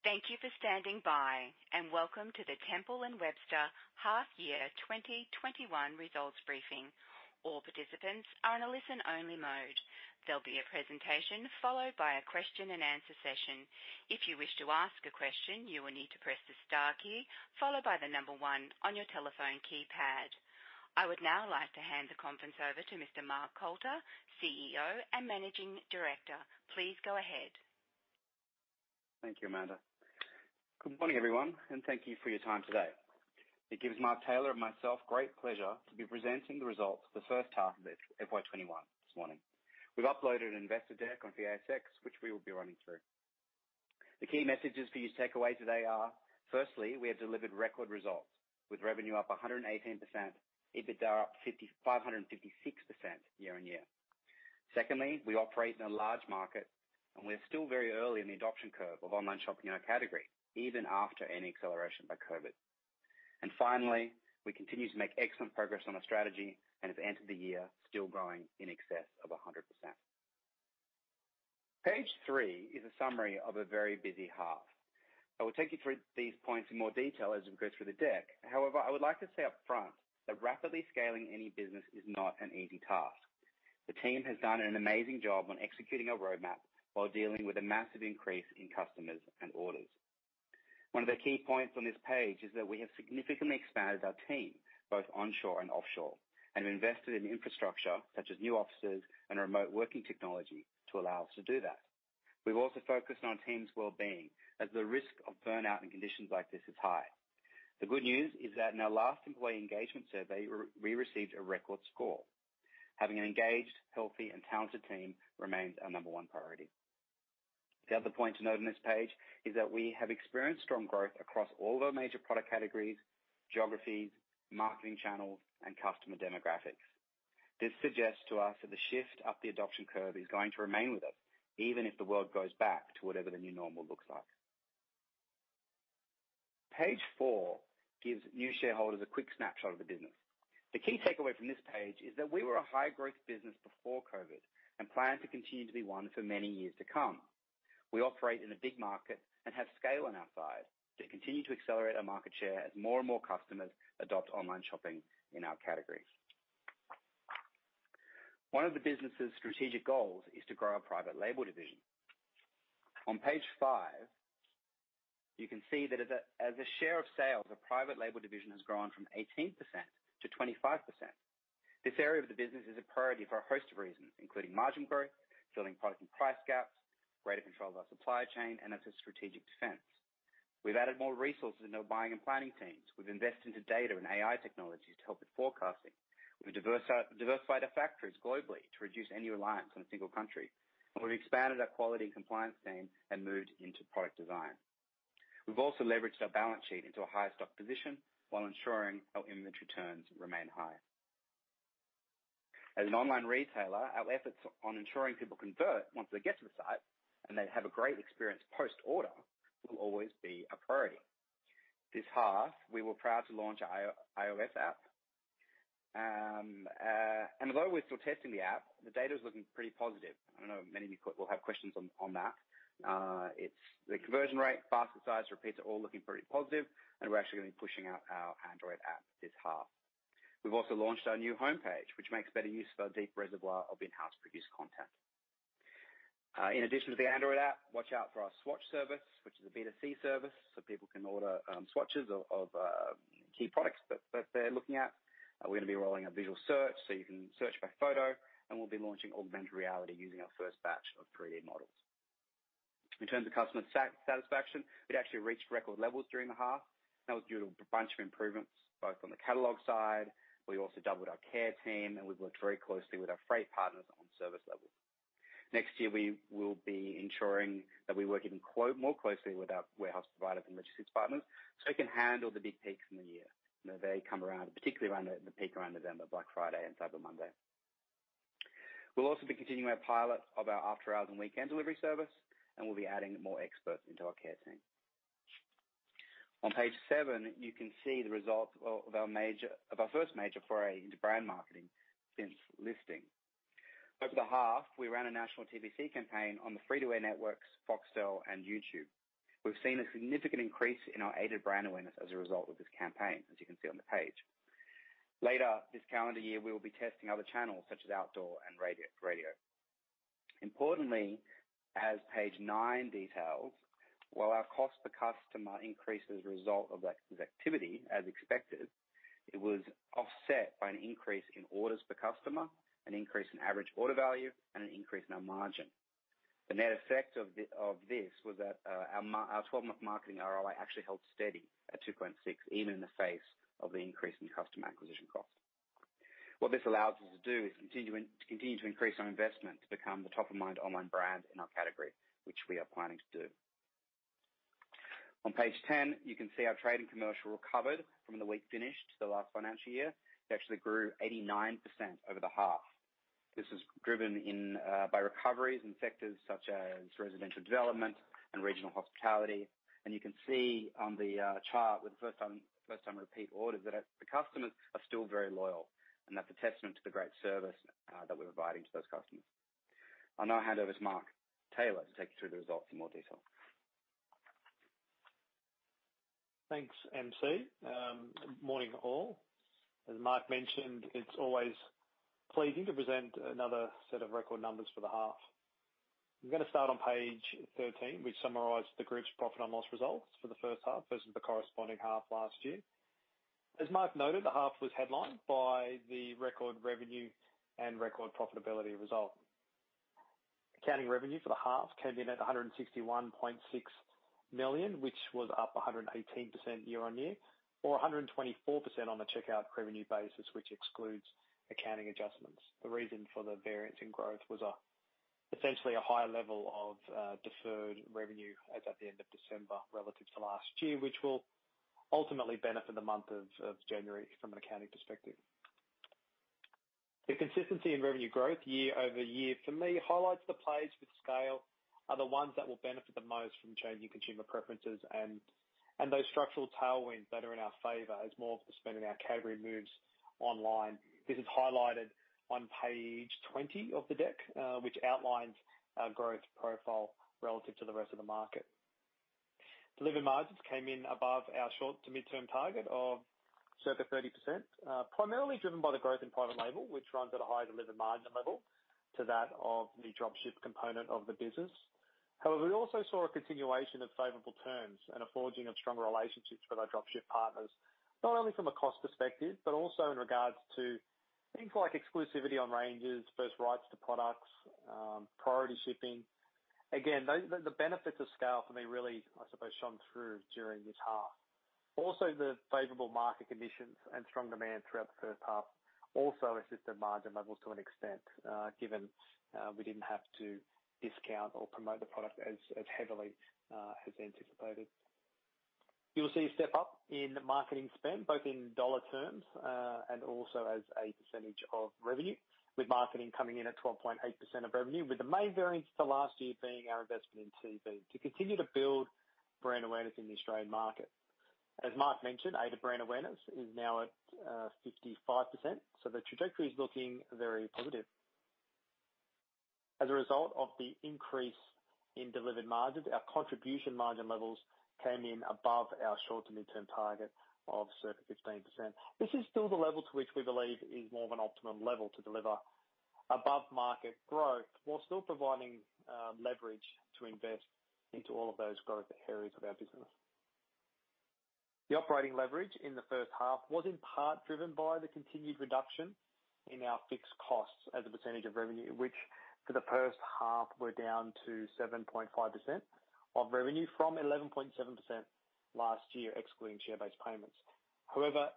Thank you for standing by, and welcome to the Temple & Webster half year 2021 results briefing. All participants are in a listen-only mode. There will be a presentation followed by a question-and-answer session. If you wish to ask a question, you will need to press the star key followed by the number one on your telephone keypad. I would now like to hand the conference over to Mr. Mark Coulter, CEO and Managing Director. Please go ahead. Thank you, Amanda. Good morning, everyone, and thank you for your time today. It gives Mark Tayler and myself great pleasure to be presenting the results for the first half of FY21 this morning. We've uploaded an investor deck on the ASX, which we will be running through. The key messages for you to take away today are, firstly, we have delivered record results, with revenue up 118%, EBITDA up 556% year-on-year. Secondly, we operate in a large market, and we're still very early in the adoption curve of online shopping in our category, even after any acceleration by COVID. Finally, we continue to make excellent progress on our strategy and have entered the year still growing in excess of 100%. Page three is a summary of a very busy half. I will take you through these points in more detail as we go through the deck. However, I would like to say up front that rapidly scaling any business is not an easy task. The team has done an amazing job on executing our roadmap while dealing with a massive increase in customers and orders. One of the key points on this page is that we have significantly expanded our team, both onshore and offshore, and invested in infrastructure such as new offices and remote working technology to allow us to do that. We've also focused on team's wellbeing, as the risk of burnout in conditions like this is high. The good news is that in our last employee engagement survey, we received a record score. Having an engaged, healthy, and talented team remains our number one priority. The other point to note on this page is that we have experienced strong growth across all of our major product categories, geographies, marketing channels, and customer demographics. This suggests to us that the shift up the adoption curve is going to remain with us even if the world goes back to whatever the new normal looks like. Page four gives new shareholders a quick snapshot of the business. The key takeaway from this page is that we were a high-growth business before COVID and plan to continue to be one for many years to come. We operate in a big market and have scale on our side to continue to accelerate our market share as more and more customers adopt online shopping in our category. One of the business's strategic goals is to grow our private label division. On page five, you can see that as a share of sales, our private label division has grown from 18% to 25%. This area of the business is a priority for a host of reasons, including margin growth, filling product and price gaps, greater control of our supply chain, and as a strategic defense. We've added more resources in our buying and planning teams. We've invested into data and AI technologies to help with forecasting. We've diversified our factories globally to reduce any reliance on a single country. We've expanded our quality and compliance team and moved into product design. We've also leveraged our balance sheet into a higher stock position while ensuring our inventory turns remain high. As an online retailer, our efforts on ensuring people convert once they get to the site and they have a great experience post-order will always be a priority. This half, we were proud to launch our iOS app. Although we're still testing the app, the data is looking pretty positive. I know many of you will have questions on that. The conversion rate, basket size, repeats are all looking pretty positive, and we're actually going to be pushing out our Android app this half. We've also launched our new homepage, which makes better use of our deep reservoir of in-house produced content. In addition to the Android app, watch out for our swatch service, which is a B2C service so people can order swatches of key products that they're looking at. We're going to be rolling out visual search so you can search by photo, and we'll be launching augmented reality using our first batch of 3D models. In terms of customer satisfaction, it actually reached record levels during the half. That was due to a bunch of improvements, both on the catalog side. We also doubled our care team, and we've worked very closely with our freight partners on service levels. Next year, we will be ensuring that we work even more closely with our warehouse providers and logistics partners so we can handle the big peaks in the year. They come around, particularly around the peak around November, Black Friday and Cyber Monday. We'll also be continuing our pilot of our after-hours and weekend delivery service, and we'll be adding more experts into our care team. On page seven, you can see the results of our first major foray into brand marketing since listing. Over the half, we ran a national TVC campaign on the Free-to-Air networks, Foxtel, and YouTube. We've seen a significant increase in our aided brand awareness as a result of this campaign, as you can see on the page. Later this calendar year, we will be testing other channels such as outdoor and radio. Importantly, as page nine details, while our cost per customer increased as a result of this activity, as expected, it was offset by an increase in orders per customer, an increase in average order value, and an increase in our margin. The net effect of this was that our 12-month marketing ROI actually held steady at 2.6, even in the face of the increase in customer acquisition costs. What this allows us to do is continue to increase our investment to become the top-of-mind online brand in our category, which we are planning to do. On page 10, you can see our Trade & Commercial recovered from the weak finish to the last financial year. It actually grew 89% over the half. This is driven by recoveries in sectors such as residential development and regional hospitality. You can see on the chart with first-time repeat orders that the customers are still very loyal, and that's a testament to the great service that we're providing to those customers. I'll now hand over to Mark Tayler to take you through the results in more detail. Thanks, MC. Morning, all. As Mark mentioned, it's always pleasing to present another set of record numbers for the half. I'm going to start on page 13, which summarizes the group's profit and loss results for the first half versus the corresponding half last year. As Mark noted, the half was headlined by the record revenue and record profitability result. Accounting revenue for the half came in at 161.6 million, which was up 118% year-on-year, or 124% on a checkout revenue basis, which excludes accounting adjustments. The reason for the variance in growth was essentially a higher level of deferred revenue as at the end of December relative to last year, which will ultimately benefit the month of January from an accounting perspective. The consistency in revenue growth year-over-year, for me, highlights the plays with scale are the ones that will benefit the most from changing consumer preferences and those structural tailwinds that are in our favor as more of the spend in our category moves online. This is highlighted on page 20 of the deck, which outlines our growth profile relative to the rest of the market. Delivery margins came in above our short- to mid-term target of circa 30%, primarily driven by the growth in private label, which runs at a higher delivery margin level to that of the dropship component of the business. However, we also saw a continuation of favorable terms and a forging of stronger relationships with our dropship partners, not only from a cost perspective, but also in regards to things like exclusivity on ranges, first rights to products, priority shipping. Again, the benefits of scale for me really, I suppose, shone through during this half. The favorable market conditions and strong demand throughout the first half also assisted margin levels to an extent, given we didn't have to discount or promote the product as heavily as anticipated. You will see a step-up in marketing spend, both in dollar terms and also as a percentage of revenue, with marketing coming in at 12.8% of revenue, with the main variance to last year being our investment in TV to continue to build brand awareness in the Australian market. As Mark mentioned, Aided brand awareness is now at 55%. The trajectory is looking very positive. As a result of the increase in delivered margins, our contribution margin levels came in above our short to mid-term target of circa 15%. This is still the level to which we believe is more of an optimum level to deliver above-market growth while still providing leverage to invest into all of those growth areas of our business. The operating leverage in the first half was in part driven by the continued reduction in our fixed costs as a percentage of revenue, which for the first half were down to 7.5% of revenue from 11.7% last year, excluding share-based payments.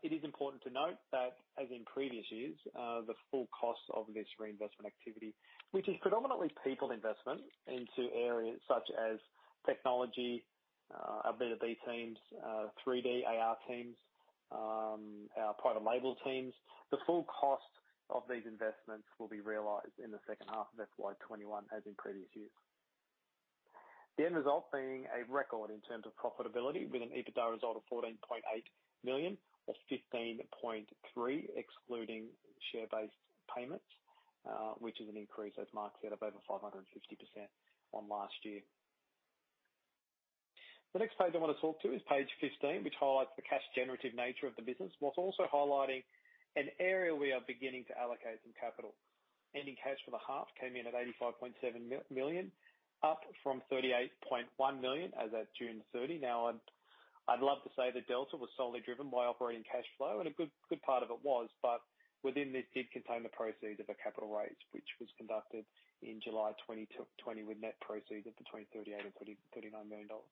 It is important to note that, as in previous years, the full cost of this reinvestment activity, which is predominantly people investment into areas such as technology, our B2B teams, 3D AR teams, our private label teams, will be realized in the second half of FY 2021, as in previous years. The end result being a record in terms of profitability, with an EBITDA result of 14.8 million, or 15.3 excluding share-based payments, which is an increase, as Mark said, of over 550% on last year. The next page I want to talk to is page 15, which highlights the cash-generative nature of the business, while also highlighting an area we are beginning to allocate some capital. Ending cash for the half came in at 85.7 million, up from 38.1 million as at June 30. Now, I'd love to say the delta was solely driven by operating cash flow, and a good part of it was, but within this did contain the proceeds of a capital raise, which was conducted in July 2020 with net proceeds of between 38 million and 39 million dollars.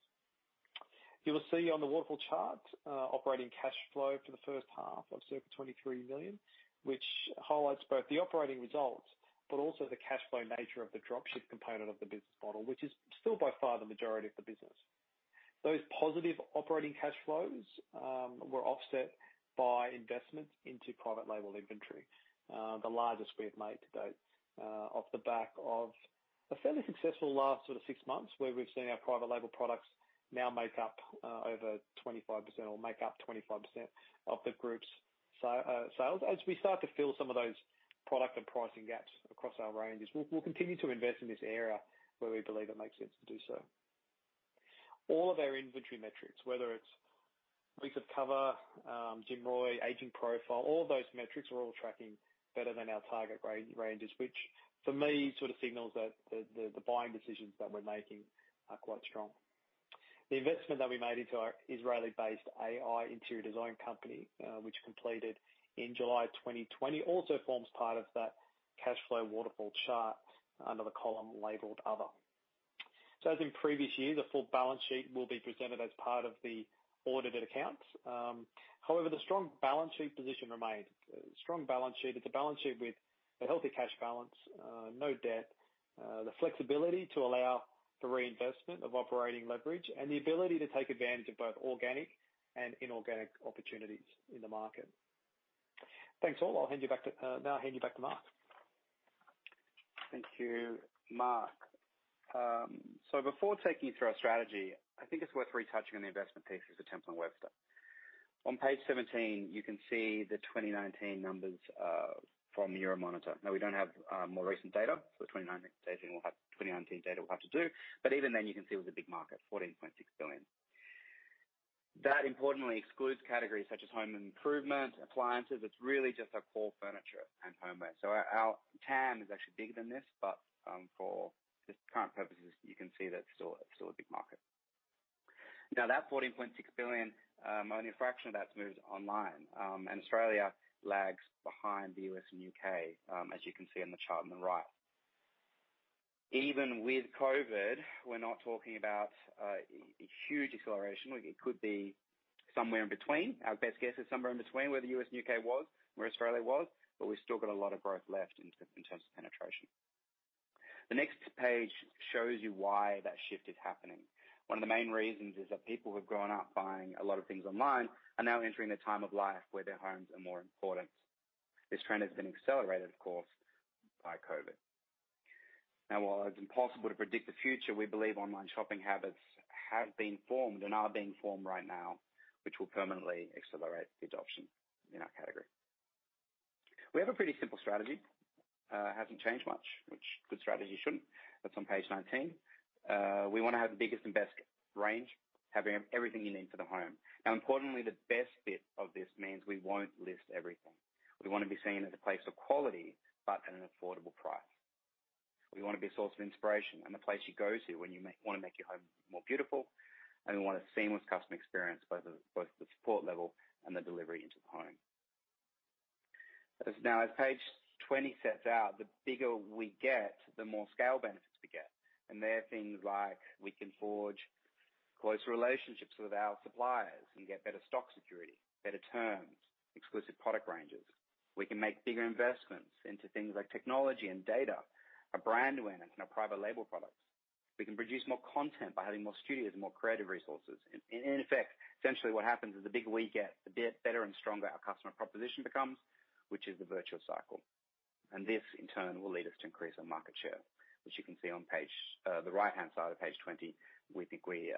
You will see on the waterfall chart operating cash flow for the first half of circa 23 million, which highlights both the operating results, but also the cash flow nature of the dropship component of the business model, which is still by far the majority of the business. Those positive operating cash flows were offset by investments into private label inventory. The largest we have made to date off the back of a fairly successful last six months, where we've seen our private label products now make up over 25%, or make up 25% of the group's sales. As we start to fill some of those product and pricing gaps across our ranges, we'll continue to invest in this area where we believe it makes sense to do so. All of our inventory metrics, whether it's weeks of cover, GMROI, aging profile, all those metrics are all tracking better than our target ranges, which for me signals that the buying decisions that we're making are quite strong. The investment that we made into our Israeli-based AI interior design company, which completed in July 2020, also forms part of that cash flow waterfall chart under the column labeled 'Other.' As in previous years, a full balance sheet will be presented as part of the audited accounts. However, the strong balance sheet position remains. It's a strong balance sheet. It's a balance sheet with a healthy cash balance, no debt, the flexibility to allow for reinvestment of operating leverage, and the ability to take advantage of both organic and inorganic opportunities in the market. Thanks, all. Now I'll hand you back to Mark. Thank you, Mark. Before taking you through our strategy, I think it's worth retouching on the investment thesis of Temple & Webster. On page 17, you can see the 2019 numbers from Euromonitor. We don't have more recent data. 2019 data will have to do. Even then, you can see it was a big market, 14.6 billion. That importantly excludes categories such as home improvement, appliances. It's really just our core furniture and homeware. Our TAM is actually bigger than this. For current purposes, you can see that it's still a big market. That 14.6 billion, only a fraction of that moves online. Australia lags behind the U.S. and U.K., as you can see on the chart on the right. Even with COVID, we're not talking about a huge acceleration. It could be somewhere in between. Our best guess is somewhere in between where the U.S. and U.K. was, and where Australia was, but we've still got a lot of growth left in terms of penetration. The next page shows you why that shift is happening. One of the main reasons is that people who have grown up buying a lot of things online are now entering a time of life where their homes are more important. This trend has been accelerated, of course, by COVID. Now, while it's impossible to predict the future, we believe online shopping habits have been formed and are being formed right now, which will permanently accelerate the adoption in our category. We have a pretty simple strategy. It hasn't changed much, which a good strategy shouldn't. That's on page 19. We want to have the biggest and best range, having everything you need for the home. Importantly, the best bit of this means we won't list everything. We want to be seen as a place of quality, but at an affordable price. We want to be a source of inspiration and the place you go to when you want to make your home more beautiful, and we want a seamless customer experience, both the support level and the delivery into the home. As page 20 sets out, the bigger we get, the more scale benefits we get. They are things like we can forge closer relationships with our suppliers and get better stock security, better terms, exclusive product ranges. We can make bigger investments into things like technology and data, our brand awareness and our private label products. We can produce more content by having more studios and more creative resources. In effect, essentially what happens is the bigger we get, the better and stronger our customer proposition becomes, which is a virtuous cycle. This, in turn, will lead us to increase our market share, which you can see on the right-hand side of page 20. We think we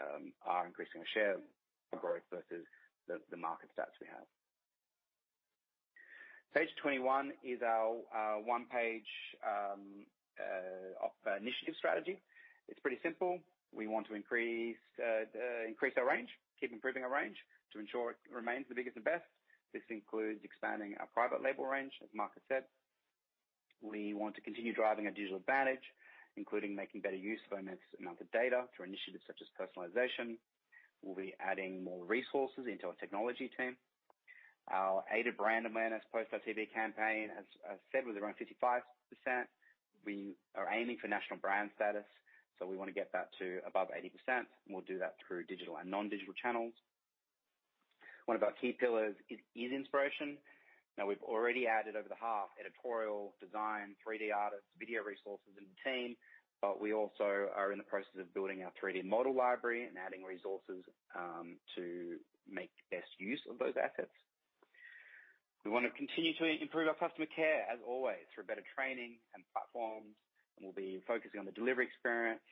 are increasing our share of growth versus the market stats we have. Page 21 is our one-page initiative strategy. It's pretty simple. We want to increase our range, keep improving our range to ensure it remains the biggest and best. This includes expanding our private label range, as Mark has said. We want to continue driving a digital advantage, including making better use of our massive amount of data through initiatives such as personalization. We'll be adding more resources into our technology team. Our Aided brand awareness post our TV campaign, as I said, was around 55%. We are aiming for national brand status, so we want to get that to above 80%, and we'll do that through digital and non-digital channels. One of our key pillars is inspiration. Now, we've already added over the half editorial, design, 3D artists, video resources in the team, but we also are in the process of building our 3D model library and adding resources to make best use of those assets. We want to continue to improve our customer care, as always, through better training and platforms. We'll be focusing on the delivery experience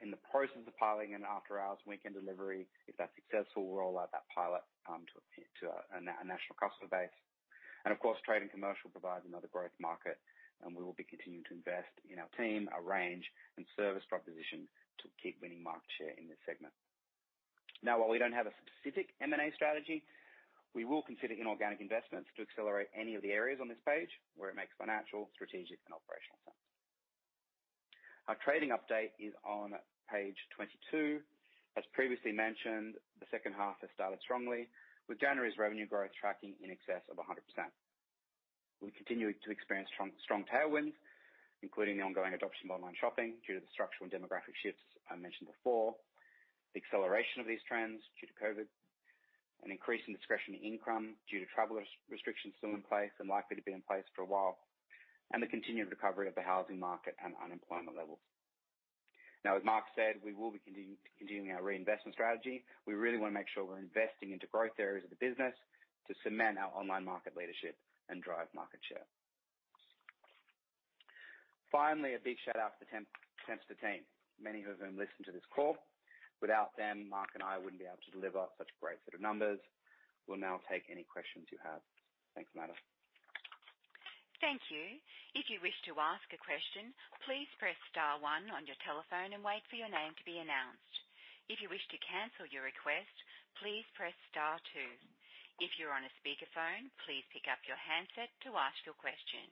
in the process of piloting an after-hours weekend delivery. If that's successful, we'll roll out that pilot to a national customer base. Of course, Trade & Commercial provides another growth market, and we will be continuing to invest in our team, our range, and service proposition to keep winning market share in this segment. While we don't have a specific M&A strategy, we will consider inorganic investments to accelerate any of the areas on this page where it makes financial, strategic, and operational sense. Our trading update is on page 22. As previously mentioned, the second half has started strongly, with January's revenue growth tracking in excess of 100%. We're continuing to experience strong tailwinds, including the ongoing adoption of online shopping due to the structural and demographic shifts I mentioned before, the acceleration of these trends due to COVID, an increase in discretionary income due to travel restrictions still in place and likely to be in place for a while, and the continued recovery of the housing market and unemployment levels. As Mark said, we will be continuing our reinvestment strategy. We really want to make sure we're investing into growth areas of the business to cement our online market leadership and drive market share. Finally, a big shout-out to the Temple team, many of whom listen to this call. Without them, Mark and I wouldn't be able to deliver such a great set of numbers. We'll now take any questions you have. Thanks, Amanda. Thank you. If you wish to ask a question, please press star one on your telephone and wait for your name to be announced. If you wish to cancel your request, please press star two. If you're on a speakerphone, please pick up your handset to ask your question.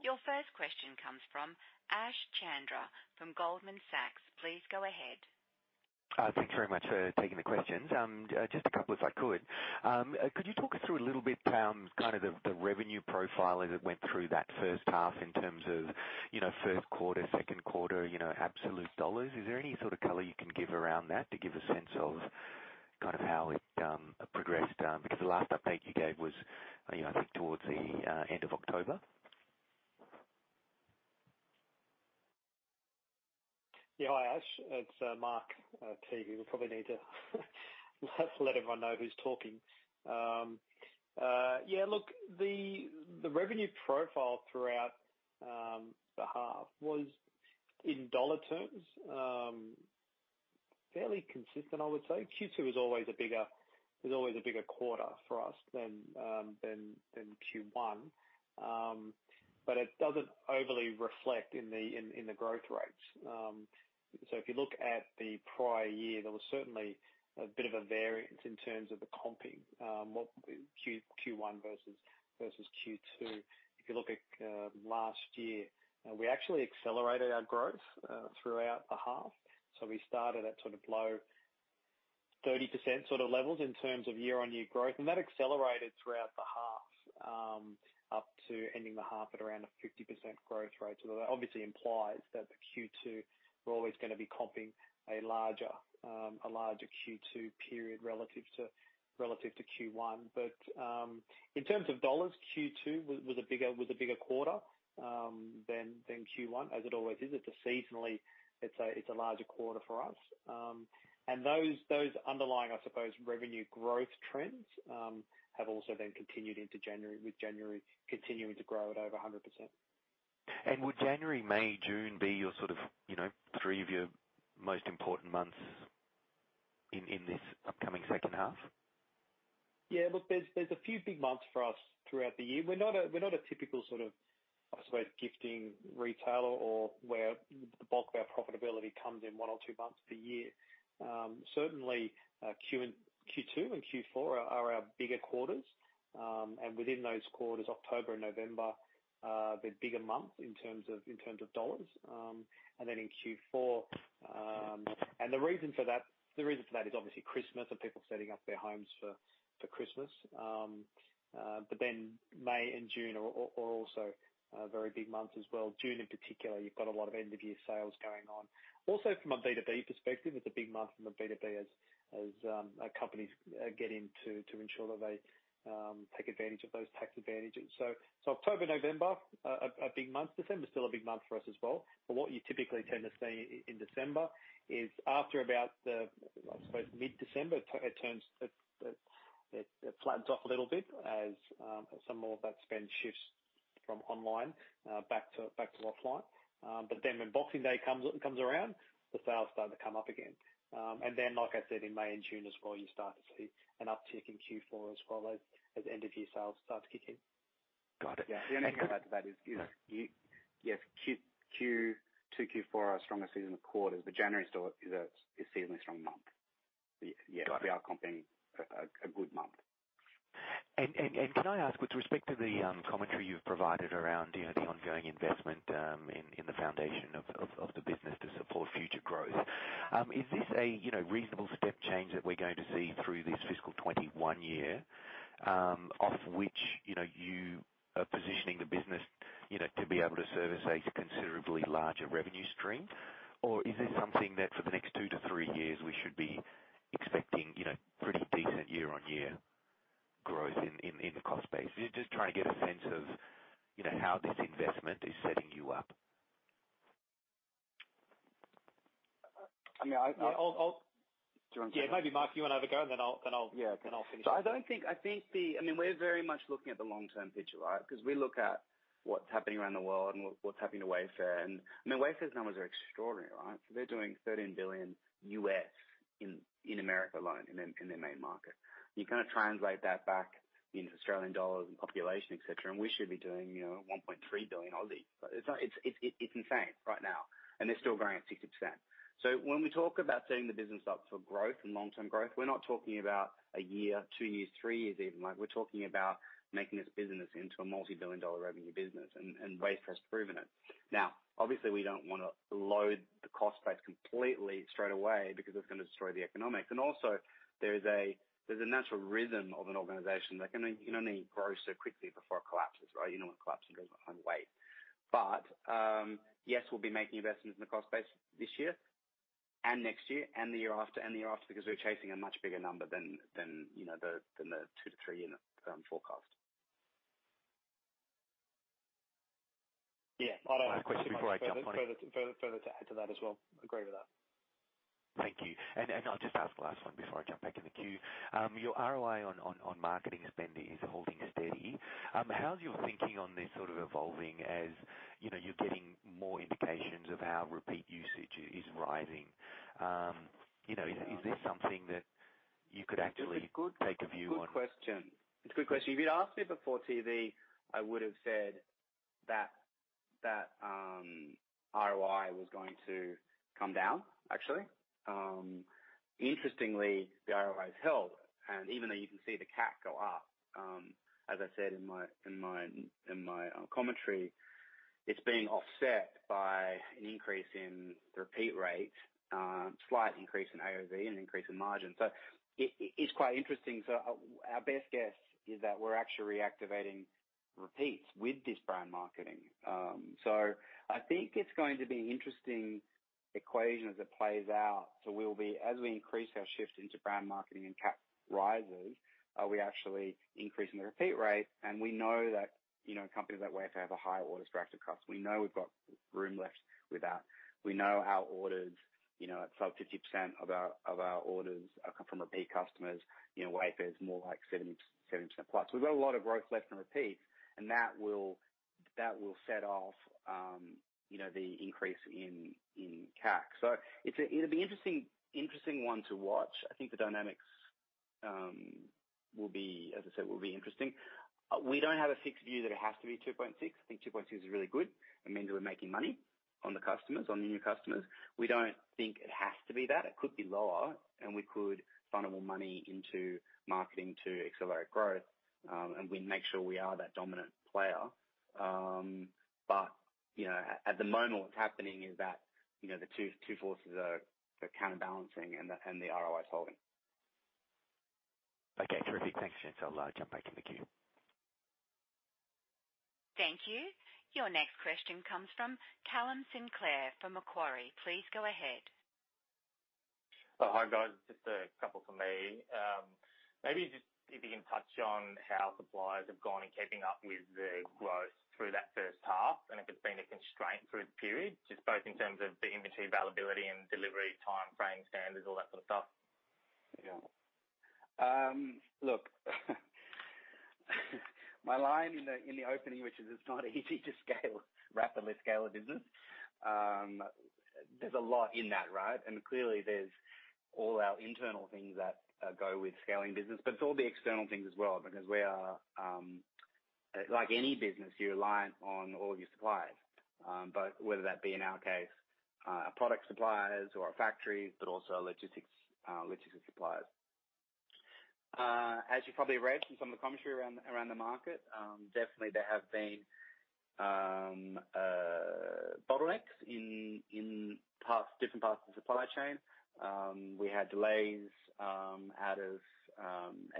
Your first question comes from Ashish Chandra from Goldman Sachs. Please go ahead. Thanks very much for taking the questions. Just a couple if I could. Could you talk us through a little bit kind of the revenue profile as it went through that first half in terms of first quarter, second quarter, absolute AUD? Is there any sort of color you can give around that to give a sense of kind of how it progressed? The last update you gave was, I think, towards the end of October. Yeah. Hi, Ash. It's Mark T. We probably need to let everyone know who's talking. Yeah, look, the revenue profile throughout the half was in AUD terms, fairly consistent, I would say. Q2 is always a bigger quarter for us than Q1. It doesn't overly reflect in the growth rates. If you look at the prior year, there was certainly a bit of a variance in terms of the comping, Q1 versus Q2. If you look at last year, we actually accelerated our growth throughout the half. We started at low 30% levels in terms of year-on-year growth. That accelerated throughout the half, up to ending the half at around a 50% growth rate. That obviously implies that the Q2, we're always going to be comping a larger Q2 period relative to Q1. In terms of dollars, Q2 was a bigger quarter than Q1, as it always is. It's a seasonally larger quarter for us. Those underlying, I suppose, revenue growth trends, have also then continued into January, with January continuing to grow at over 100%. Would January, May, June be your three of your most important months in this upcoming second half? Yeah. Look, there's a few big months for us throughout the year. We're not a typical, I suppose, gifting retailer or where the bulk of our profitability comes in one or two months of the year. Certainly, Q2 and Q4 are our bigger quarters. Within those quarters, October and November are the bigger months in terms of dollars. Then in Q4. The reason for that is obviously Christmas and people setting up their homes for Christmas. Then May and June are also very big months as well. June in particular, you've got a lot of end of year sales going on. Also from a B2B perspective, it's a big month from a B2B as companies get into ensure that they take advantage of those tax advantages. October, November are big months. December is still a big month for us as well. What you typically tend to see in December is after about the, I suppose, mid-December, it flattens off a little bit as some more of that spend shifts from online back to offline. When Boxing Day comes around, the sales start to come up again. Like I said, in May and June as well, you start to see an uptick in Q4 as well, as end of year sales start to kick in. Got it. The only thing I'd add to that is, yes, Q2, Q4 are our strongest seasonal quarters, but January still is a seasonally strong month. Got it. We are comping a good month. Can I ask, with respect to the commentary you've provided around the ongoing investment in the foundation of the business to support future growth? Is this a reasonable step change that we're going to see through this fiscal 2021 year, off which you are positioning the business to be able to service a considerably larger revenue stream? Or is this something that for the next two to three years, we should be expecting pretty decent year-on-year growth in the cost base? Just trying to get a sense of how this investment is setting you up. I'll- Do you want to take that? Yeah. Maybe Mark, you want to have a go, and then I'll finish. I don't think. We're very much looking at the long-term picture, right? Because we look at what's happening around the world and what's happening to Wayfair. Wayfair's numbers are extraordinary, right? They're doing $13 billion in America alone, in their main market. You translate that back into Australian dollars and population, et cetera, and we should be doing 1.3 billion. It's insane right now. They're still growing at 60%. When we talk about setting the business up for growth and long-term growth, we're not talking about one year, two years, three years even. We're talking about making this business into a multibillion-dollar revenue business. Wayfair's proven it. Now, obviously, we don't want to load the cost base completely straight away because it's going to destroy the economics. Also there's a natural rhythm of an organization. It can only grow so quickly before it collapses, right? You don't want to collapse and go on weight. Yes, we'll be making investments in the cost base this year and next year and the year after and the year after, because we're chasing a much bigger number than the two to three-unit forecast. Yeah. Last question before I jump on. Further to add to that as well. Agree with that. Thank you. I'll just ask the last one before I jump back in the queue. Your ROI on marketing spending is holding steady. How's your thinking on this evolving as you're getting more indications of how repeat usage is rising? Is this something that you could actually take a view on? It's a good question. If you'd asked me before TV, I would've said that ROI was going to come down, actually. Interestingly, the ROI has held, and even though you can see the CAC go up, as I said in my commentary, it's being offset by an increase in the repeat rate, slight increase in AOV and increase in margin. It's quite interesting. Our best guess is that we're actually reactivating repeats with this brand marketing. I think it's going to be an interesting equation as it plays out. As we increase our shift into brand marketing and CAC rises, are we actually increasing the repeat rate? We know that companies like Wayfair have a higher orders per active customer. We know we've got room left with that. We know our orders, sub 50% of our orders come from repeat customers. Wayfair is more like 70% plus. We've got a lot of growth left in repeats, that will set off the increase in CAC. It'll be interesting one to watch. I think the dynamics, as I said, will be interesting. We don't have a fixed view that it has to be 2.6. I think 2.6 is really good. It means we're making money on the customers, on the new customers. We don't think it has to be that. It could be lower, and we could funnel more money into marketing to accelerate growth, and we make sure we are that dominant player. At the moment, what's happening is that the two forces are counterbalancing and the ROI is holding. Okay, terrific. Thanks, gentlemen. I'll jump back in the queue. Thank you. Your next question comes from Callan Sinclair from Macquarie. Please go ahead. Hi, guys. Just a couple from me. Maybe just if you can touch on how suppliers have gone in keeping up with the growth through that first half, and if it's been a constraint through the period, just both in terms of the inventory availability and delivery time frame standards, all that sort of stuff. Yeah. Look, my line in the opening, which is it's not easy to rapidly scale a business. There's a lot in that. Clearly there's all our internal things that go with scaling business, but it's all the external things as well, because like any business, you're reliant on all your suppliers. Whether that be, in our case, our product suppliers or our factories, but also our logistics suppliers. As you probably read from some of the commentary around the market, definitely there have been bottlenecks in different parts of the supply chain. We had delays out of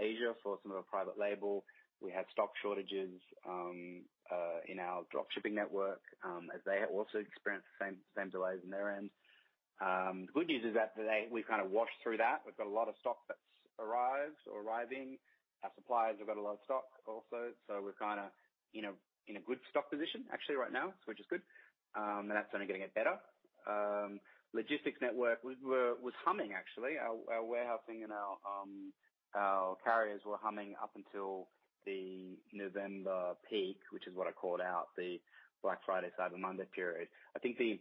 Asia for some of our private label. We had stock shortages in our drop shipping network, as they also experienced the same delays on their end. The good news is that we've washed through that. We've got a lot of stock that's arrived or arriving. Our suppliers have got a lot of stock also. We're in a good stock position actually right now, which is good. That's only going to get better. Logistics network was humming, actually. Our warehousing and our carriers were humming up until the November peak, which is what I called out, the Black Friday, Cyber Monday period. I think the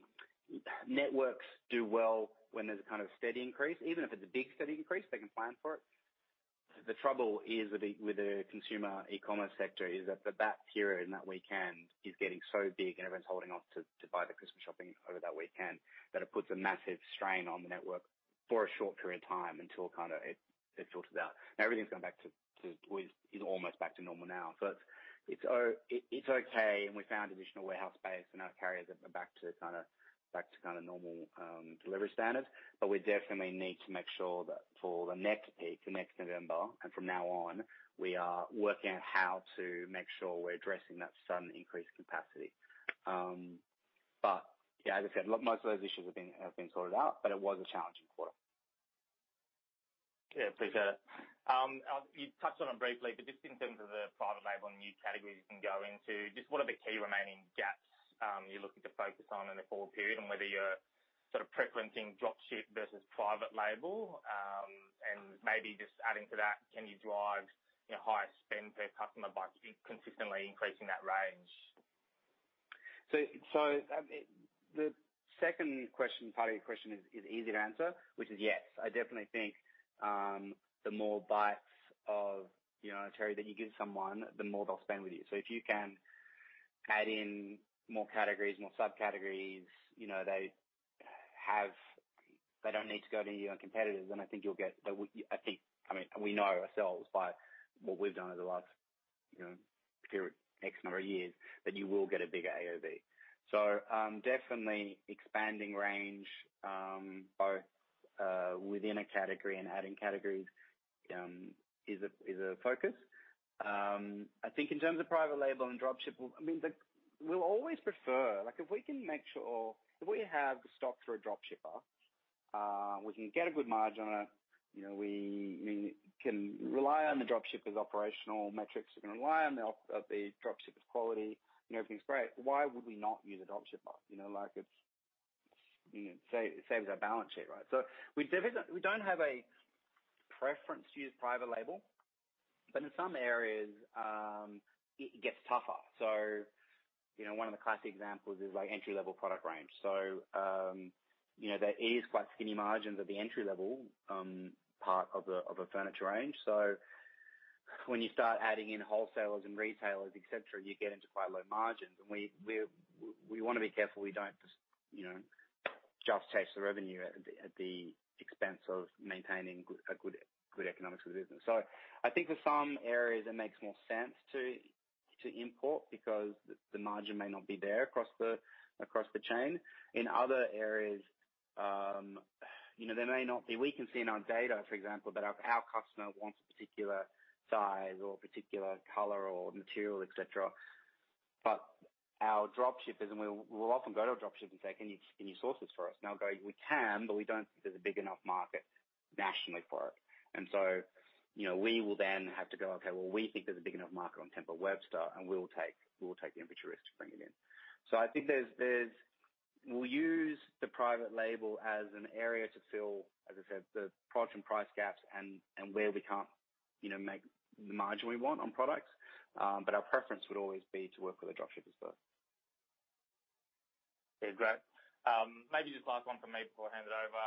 networks do well when there's a steady increase. Even if it's a big steady increase, they can plan for it. The trouble with the consumer e-commerce sector is that that period and that weekend is getting so big and everyone's holding off to buy their Christmas shopping over that weekend, that it puts a massive strain on the network for a short period of time until it filters out. Everything's almost back to normal now. It's okay, and we found additional warehouse space and our carriers are back to normal delivery standards. We definitely need to make sure that for the next peak, the next November, and from now on, we are working out how to make sure we're addressing that sudden increase capacity. Yeah, as I said, most of those issues have been sorted out, but it was a challenging quarter. Yeah, appreciate it. You touched on it briefly, but just in terms of the private label and new categories you can go into, just what are the key remaining gaps you're looking to focus on in the forward period and whether you're preferencing drop ship versus private label? Maybe just adding to that, can you drive higher spend per customer by consistently increasing that range? The second part of your question is easy to answer, which is yes. I definitely think the more bites of the cherry that you give someone, the more they'll spend with you. If you can add in more categories, more subcategories, they don't need to go to your competitors. We know ourselves by what we've done over the last X number of years, that you will get a bigger AOV. Definitely expanding range, both within a category and adding categories is a focus. I think in terms of private label and drop ship, if we have the stock for a drop shipper, we can get a good margin on it. We can rely on the drop shipper's operational metrics. We can rely on the drop shipper's quality, and everything's great. Why would we not use a drop shipper? It saves our balance sheet. We don't have a preference to use private label, but in some areas, it gets tougher. One of the classic examples is entry-level product range. There is quite skinny margins at the entry-level part of a furniture range. When you start adding in wholesalers and retailers, et cetera, you get into quite low margins. We want to be careful we don't just chase the revenue at the expense of maintaining good economics for the business. I think for some areas, it makes more sense to import because the margin may not be there across the chain. In other areas, there may not be. We can see in our data, for example, that our customer wants a particular size or a particular color or material, etc. Our dropshippers, and we'll often go to a dropshipper and say, "Can you source this for us?" They'll go, "We can, but we don't think there's a big enough market nationally for it." We will then have to go, "Okay. Well, we think there's a big enough market on Temple & Webster," and we'll take the inventory risk to bring it in. I think we'll use the private label as an area to fill, as I said, the product and price gaps and where we can't make the margin we want on products. Our preference would always be to work with a dropshipper as well. Okay, great. Maybe just last one from me before I hand it over.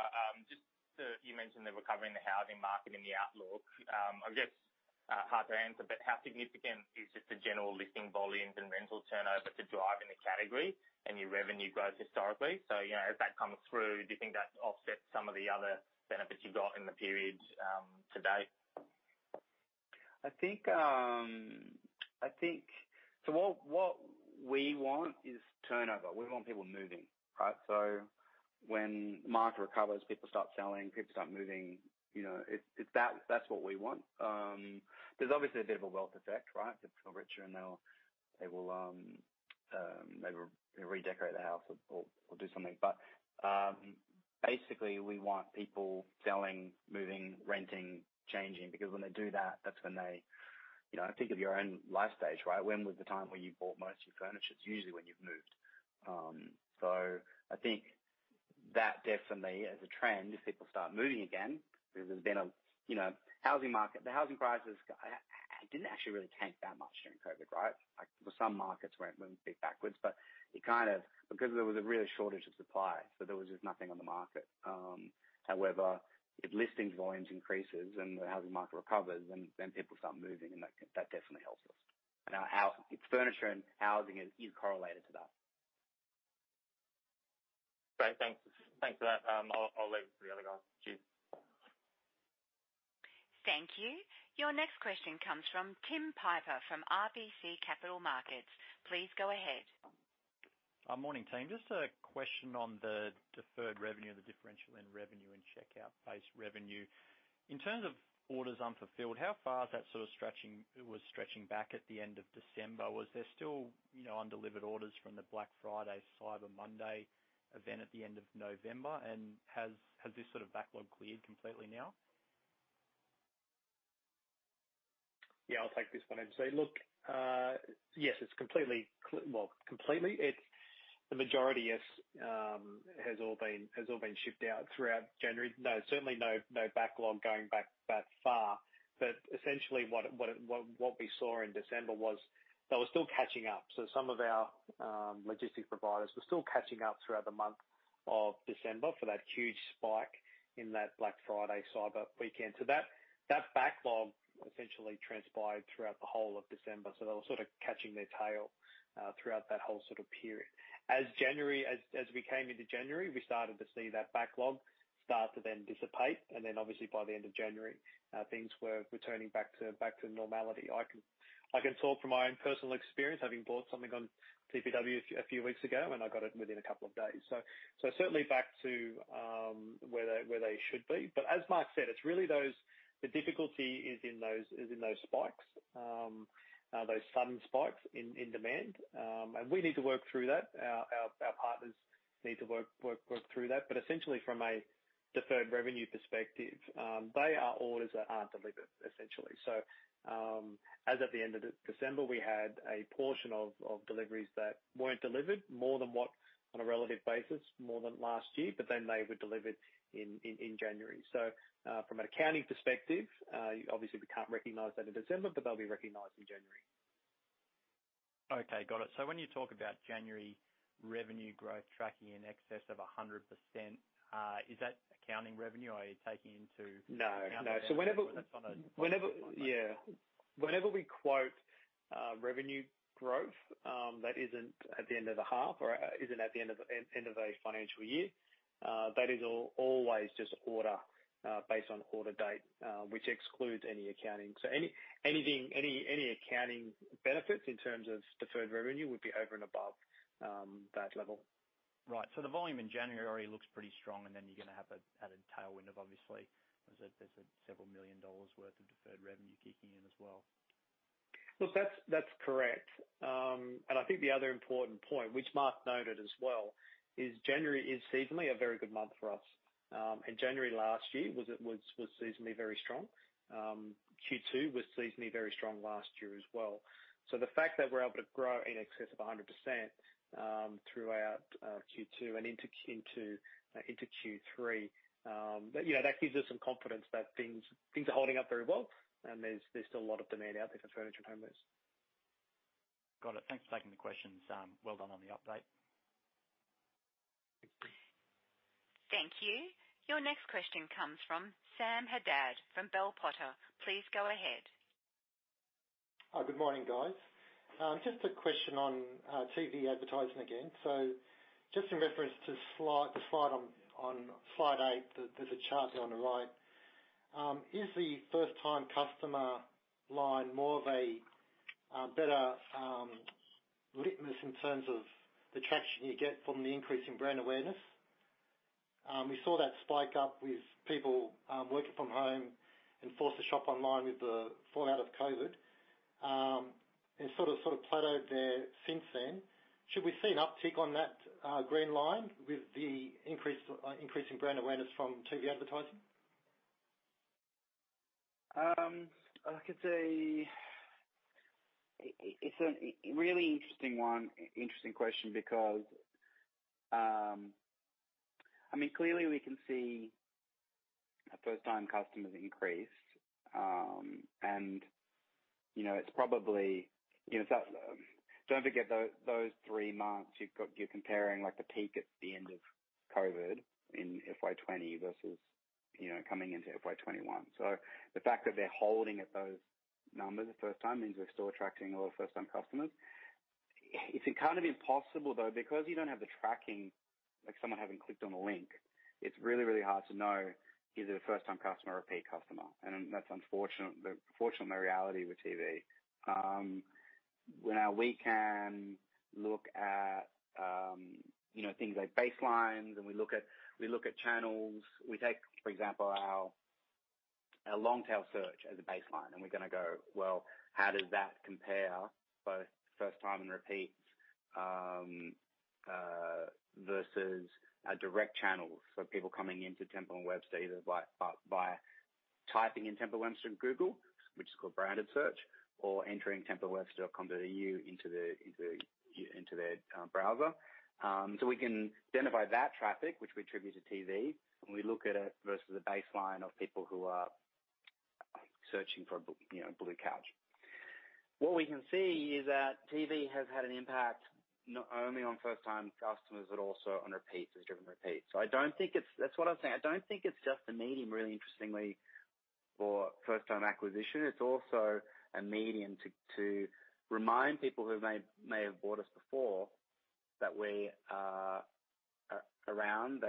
You mentioned the recovery in the housing market and the outlook. I guess, hard to answer, how significant is just the general listing volumes and rental turnover to driving the category and your revenue growth historically? As that comes through, do you think that offsets some of the other benefits you've got in the period to date? I think, what we want is turnover. We want people moving, right? So when the market recovers, people start selling, people start moving. That's what we want. There's obviously a bit of a wealth effect, right? People are richer, and they will redecorate the house or do something. Basically, we want people selling, moving, renting, changing, because when they do that's when they Think of your own life stage, right? When was the time where you bought most of your furniture? It's usually when you've moved. So I think that definitely as a trend, if people start moving again, because there's been a housing market. The housing crisis didn't actually really tank that much during COVID, right? For some markets, it went a bit backwards. Because there was a real shortage of supply so there was just nothing on the market. If listings volumes increases and the housing market recovers, then people start moving, and that definitely helps us. Our furniture and housing is correlated to that. Great. Thanks for that. I'll leave it for the other guys. Cheers. Thank you. Your next question comes from Tim Piper from RBC Capital Markets. Please go ahead. Morning, team. Just a question on the deferred revenue, the differential in revenue and checkout-based revenue. In terms of orders unfulfilled, how far is that sort of stretching? It was stretching back at the end of December. Was there still undelivered orders from the Black Friday/Cyber Monday event at the end of November? Has this sort of backlog cleared completely now? I'll take this one. I'd say, look, yes, it's completely Well, completely? The majority, yes, has all been shipped out throughout January. Certainly no backlog going back that far. Essentially what we saw in December was they were still catching up. Some of our logistics providers were still catching up throughout the month of December for that huge spike in that Black Friday/Cyber weekend. That backlog essentially transpired throughout the whole of December. They were sort of catching their tail throughout that whole period. As we came into January, we started to see that backlog start to then dissipate. Obviously by the end of January, things were returning back to normality. I can talk from my own personal experience, having bought something on TPW a few weeks ago, and I got it within a couple of days. Certainly back to where they should be. As Mark said, the difficulty is in those spikes, those sudden spikes in demand. We need to work through that. Our partners need to work through that. Essentially from a deferred revenue perspective, they are orders that aren't delivered essentially. As at the end of December, we had a portion of deliveries that weren't delivered more than what on a relative basis more than last year, they were delivered in January. From an accounting perspective, obviously we can't recognize that in December, they'll be recognized in January. Okay, got it. When you talk about January revenue growth tracking in excess of 100%, is that accounting revenue? Are you taking into account? No. That's on Yeah. Whenever we quote revenue growth, that isn't at the end of a half or isn't at the end of a financial year. That is always just order based on order date, which excludes any accounting. Any accounting benefits in terms of deferred revenue would be over and above that level. Right. The volume in January looks pretty strong, you're going to have an added tailwind of obviously, there's several million dollars worth of deferred revenue kicking in as well. Look, that's correct. I think the other important point, which Mark noted as well, is January is seasonally a very good month for us. January last year was seasonally very strong. Q2 was seasonally very strong last year as well. The fact that we're able to grow in excess of 100% throughout Q2 and into Q3, that gives us some confidence that things are holding up very well and there's still a lot of demand out there for furniture and homewares. Got it. Thanks for taking the questions. Well done on the update. Thank you. Your next question comes from Sam Haddad from Bell Potter. Please go ahead. Good morning, guys. Just a question on TV advertising again. Just in reference to slide eight, there's a chart there on the right. Is the first-time customer line more of a better litmus in terms of the traction you get from the increase in brand awareness? We saw that spike up with people working from home and forced to shop online with the fallout of COVID. It's sort of plateaued there since then. Should we see an uptick on that green line with the increase in brand awareness from TV advertising? I could say it's a really interesting question because, clearly we can see our first-time customers increase. Don't forget, those three months, you're comparing the peak at the end of COVID in FY 2020 versus coming into FY 2021. So the fact that they're holding at those numbers the first time means we're still attracting a lot of first-time customers. It's impossible, though, because you don't have the tracking, like someone having clicked on a link. It's really hard to know is it a first-time customer or a repeat customer? And that's unfortunately the reality with TV. Now we can look at things like baselines, and we look at channels. We take, for example, our long-tail search as a baseline, and we're going to go, well, how does that compare both first time and repeats versus our direct channels? People coming into Temple & Webster either by typing in Temple & Webster in Google, which is called branded search, or entering templewebster.com.au into their browser. We can identify that traffic, which we attribute to TV, and we look at it versus a baseline of people who are searching for a blue couch. What we can see is that TV has had an impact not only on first-time customers but also on repeats. It's driven repeats. That's what I'm saying. I don't think it's just a medium, really interestingly, for first-time acquisition. It's also a medium to remind people who may have bought us before that we are around.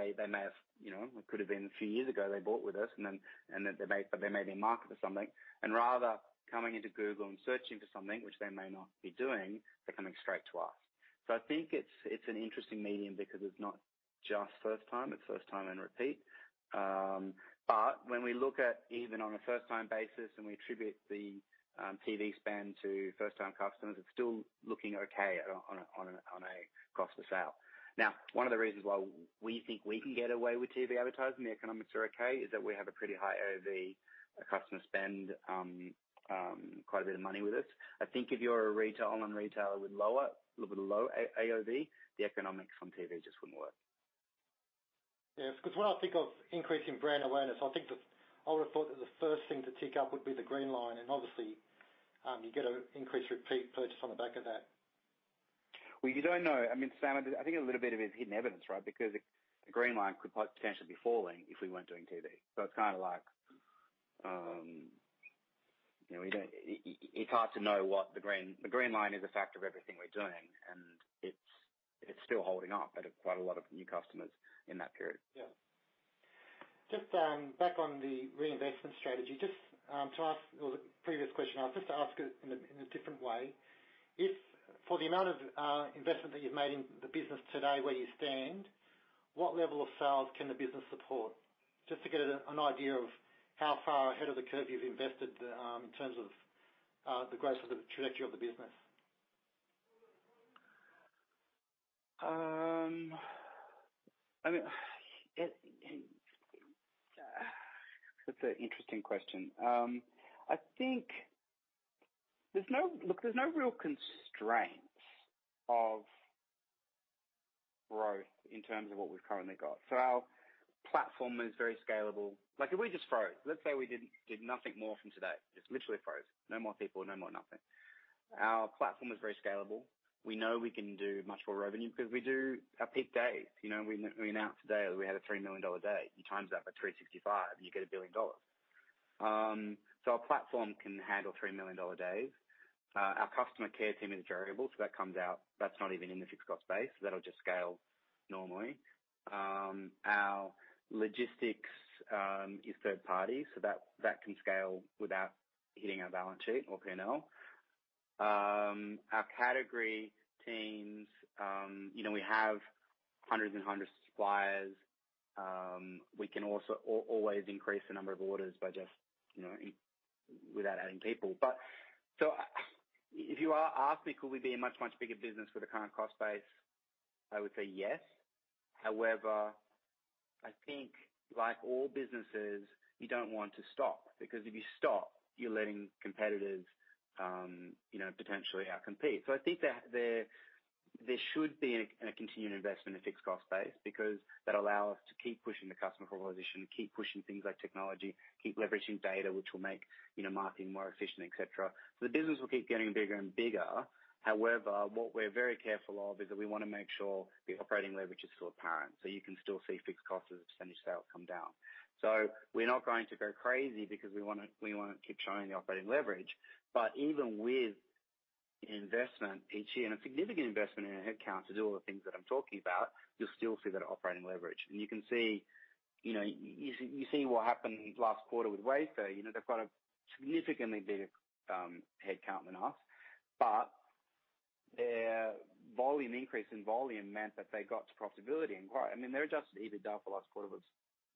It could have been a few years ago, they bought with us, but they may be in market for something. Rather coming into Google and searching for something, which they may not be doing, they're coming straight to us. I think it's an interesting medium because it's not just first time, it's first time and repeat. When we look at even on a first-time basis and we attribute the TV spend to first-time customers, it's still looking okay on a cost of sale. One of the reasons why we think we can get away with TV advertising, the economics are okay, is that we have a pretty high AOV. Our customers spend quite a bit of money with us. I think if you're an online retailer with a little bit low AOV, the economics on TV just wouldn't work. Yes, because when I think of increasing brand awareness, I would have thought that the first thing to tick up would be the green line, and obviously, you get an increased repeat purchase on the back of that. You don't know. Sam, I think a little bit of it is hidden evidence, right? The green line could potentially be falling if we weren't doing TV. It's hard to know. The green line is a factor of everything we're doing, and it's still holding up at quite a lot of new customers in that period. Yeah. Just back on the reinvestment strategy. It was a previous question, just to ask it in a different way. For the amount of investment that you've made in the business today where you stand, what level of sales can the business support? Just to get an idea of how far ahead of the curve you've invested in terms of the growth of the trajectory of the business. That's an interesting question. Look, there's no real constraints of growth in terms of what we've currently got. Our platform is very scalable. If we just froze, let's say we did nothing more from today, just literally froze. No more people, no more nothing. Our platform is very scalable. We know we can do much more revenue because we do our peak days. We announced today that we had an 3 million dollar day. You times that by 365, and you get 1 billion dollars. Our platform can handle 3 million dollar days. Our customer care team is variable, so that comes out. That's not even in the fixed cost base. That'll just scale normally. Our logistics is third party, so that can scale without hitting our balance sheet or P&L. Our category teams, we have hundreds and hundreds of suppliers. We can also always increase the number of orders without adding people. If you ask me, could we be a much, much bigger business with the current cost base? I would say yes. However, I think, like all businesses, you don't want to stop because if you stop, you're letting competitors potentially out-compete. I think there should be a continued investment in fixed cost base because that'll allow us to keep pushing the customer proposition, keep pushing things like technology, keep leveraging data, which will make marketing more efficient, et cetera. The business will keep getting bigger and bigger. However, what we're very careful of is that we want to make sure the operating leverage is still apparent, so you can still see fixed cost as a percentage sale come down. We're not going to go crazy because we want to keep showing the operating leverage. Even with investment each year, and a significant investment in our headcount to do all the things that I'm talking about, you'll still see that operating leverage. You see what happened last quarter with Wayfair. They've got a significantly bigger headcount than us, but their volume increase in volume meant that they got to profitability. Their adjusted EBITDA for the last quarter was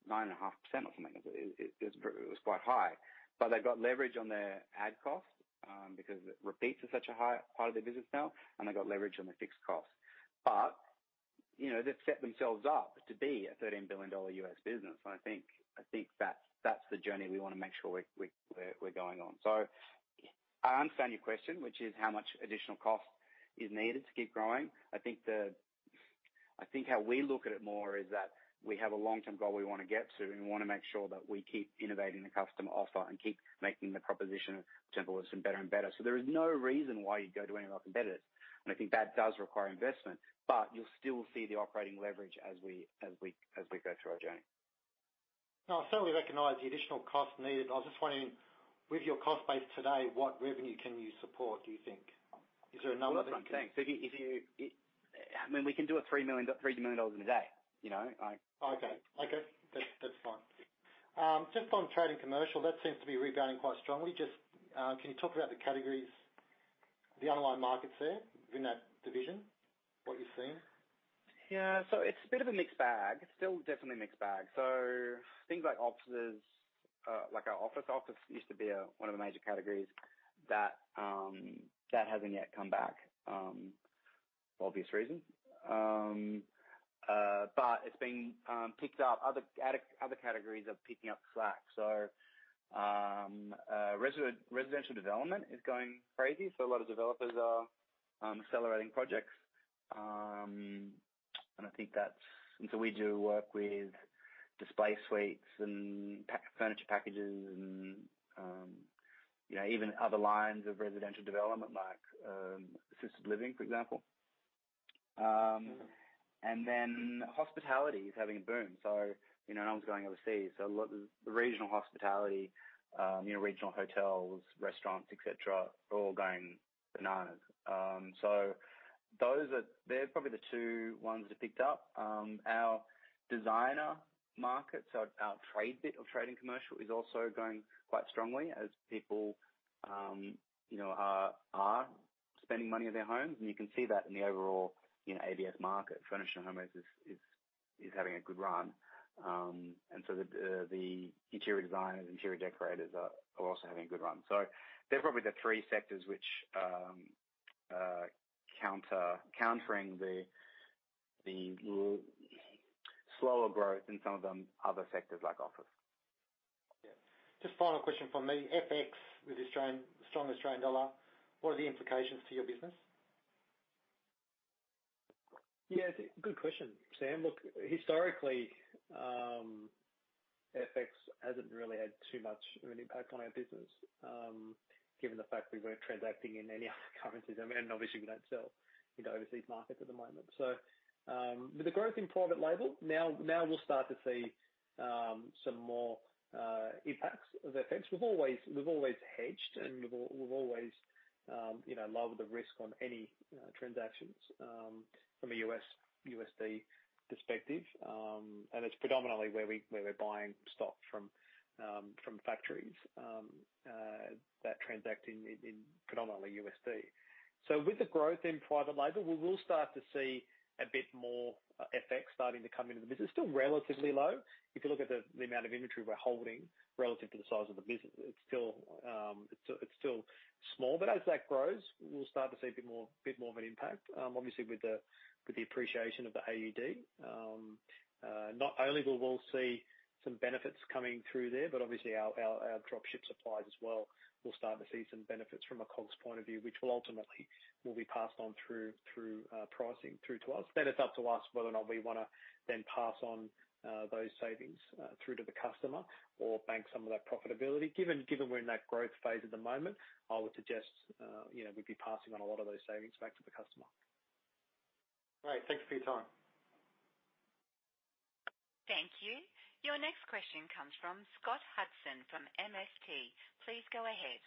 9.5% or something. It was quite high. They got leverage on their ad cost because repeats are such a high part of their business now, and they got leverage on their fixed costs. They've set themselves up to be a $13 billion U.S. business. I think that's the journey we want to make sure we're going on. I understand your question, which is how much additional cost is needed to keep growing. I think how we look at it more is that we have a long-term goal we want to get to, and we want to make sure that we keep innovating the customer offer and keep making the proposition of Temple & Webster better and better. There is no reason why you'd go to any of our competitors. I think that does require investment. You'll still see the operating leverage as we go through our journey. No, I certainly recognize the additional cost needed. I was just wondering, with your cost base today, what revenue can you support, do you think? Is there a number that you can- Well, look, I think, I mean, we can do 3 million in a day. Okay. That's fine. Just on Trade & Commercial, that seems to be rebounding quite strongly. Can you talk about the categories, the underlying markets there within that division, what you're seeing? Yeah. It's a bit of a mixed bag. It's still definitely a mixed bag. Things like offices. Office used to be one of the major categories. That hasn't yet come back, for obvious reasons. It's been picked up. Other categories are picking up the slack. Residential development is going crazy. A lot of developers are accelerating projects. We do work with display suites and furniture packages and even other lines of residential development like assisted living, for example. Hospitality is having a boom. No one's going overseas, so a lot of the regional hospitality, regional hotels, restaurants, et cetera, are all going bananas. They're probably the two ones that picked up. Our designer market. Our Trade & Commercial is also going quite strongly as people are spending money on their homes. You can see that in the overall ABS market. Furnishing homes is having a good run. The interior designers, interior decorators are also having a good run. They're probably the three sectors which are countering the slower growth in some of the other sectors like office. Yeah. Just final question from me. FX with the strong Australian dollar, what are the implications to your business? Yeah, good question, Sam. Look, historically, FX hasn't really had too much of an impact on our business, given the fact we weren't transacting in any other currencies. I mean, obviously, we don't sell into overseas markets at the moment. With the growth in private label, now we'll start to see some more impacts of FX. We've always hedged, and we've always lowered the risk on any transactions from a USD perspective. It's predominantly where we're buying stock from factories that transact in predominantly USD. With the growth in private label, we will start to see a bit more FX starting to come into the business. Still relatively low. If you look at the amount of inventory we're holding relative to the size of the business, it's still small. As that grows, we'll start to see a bit more of an impact. With the appreciation of the AUD. Not only will we see some benefits coming through there, but obviously our drop ship suppliers as well will start to see some benefits from a COGS point of view, which will ultimately will be passed on through pricing through to us. It's up to us whether or not we want to then pass on those savings through to the customer or bank some of that profitability. Given we're in that growth phase at the moment, I would suggest we'd be passing on a lot of those savings back to the customer. Great. Thanks for your time. Thank you. Your next question comes from Scott Hudson from MST. Please go ahead.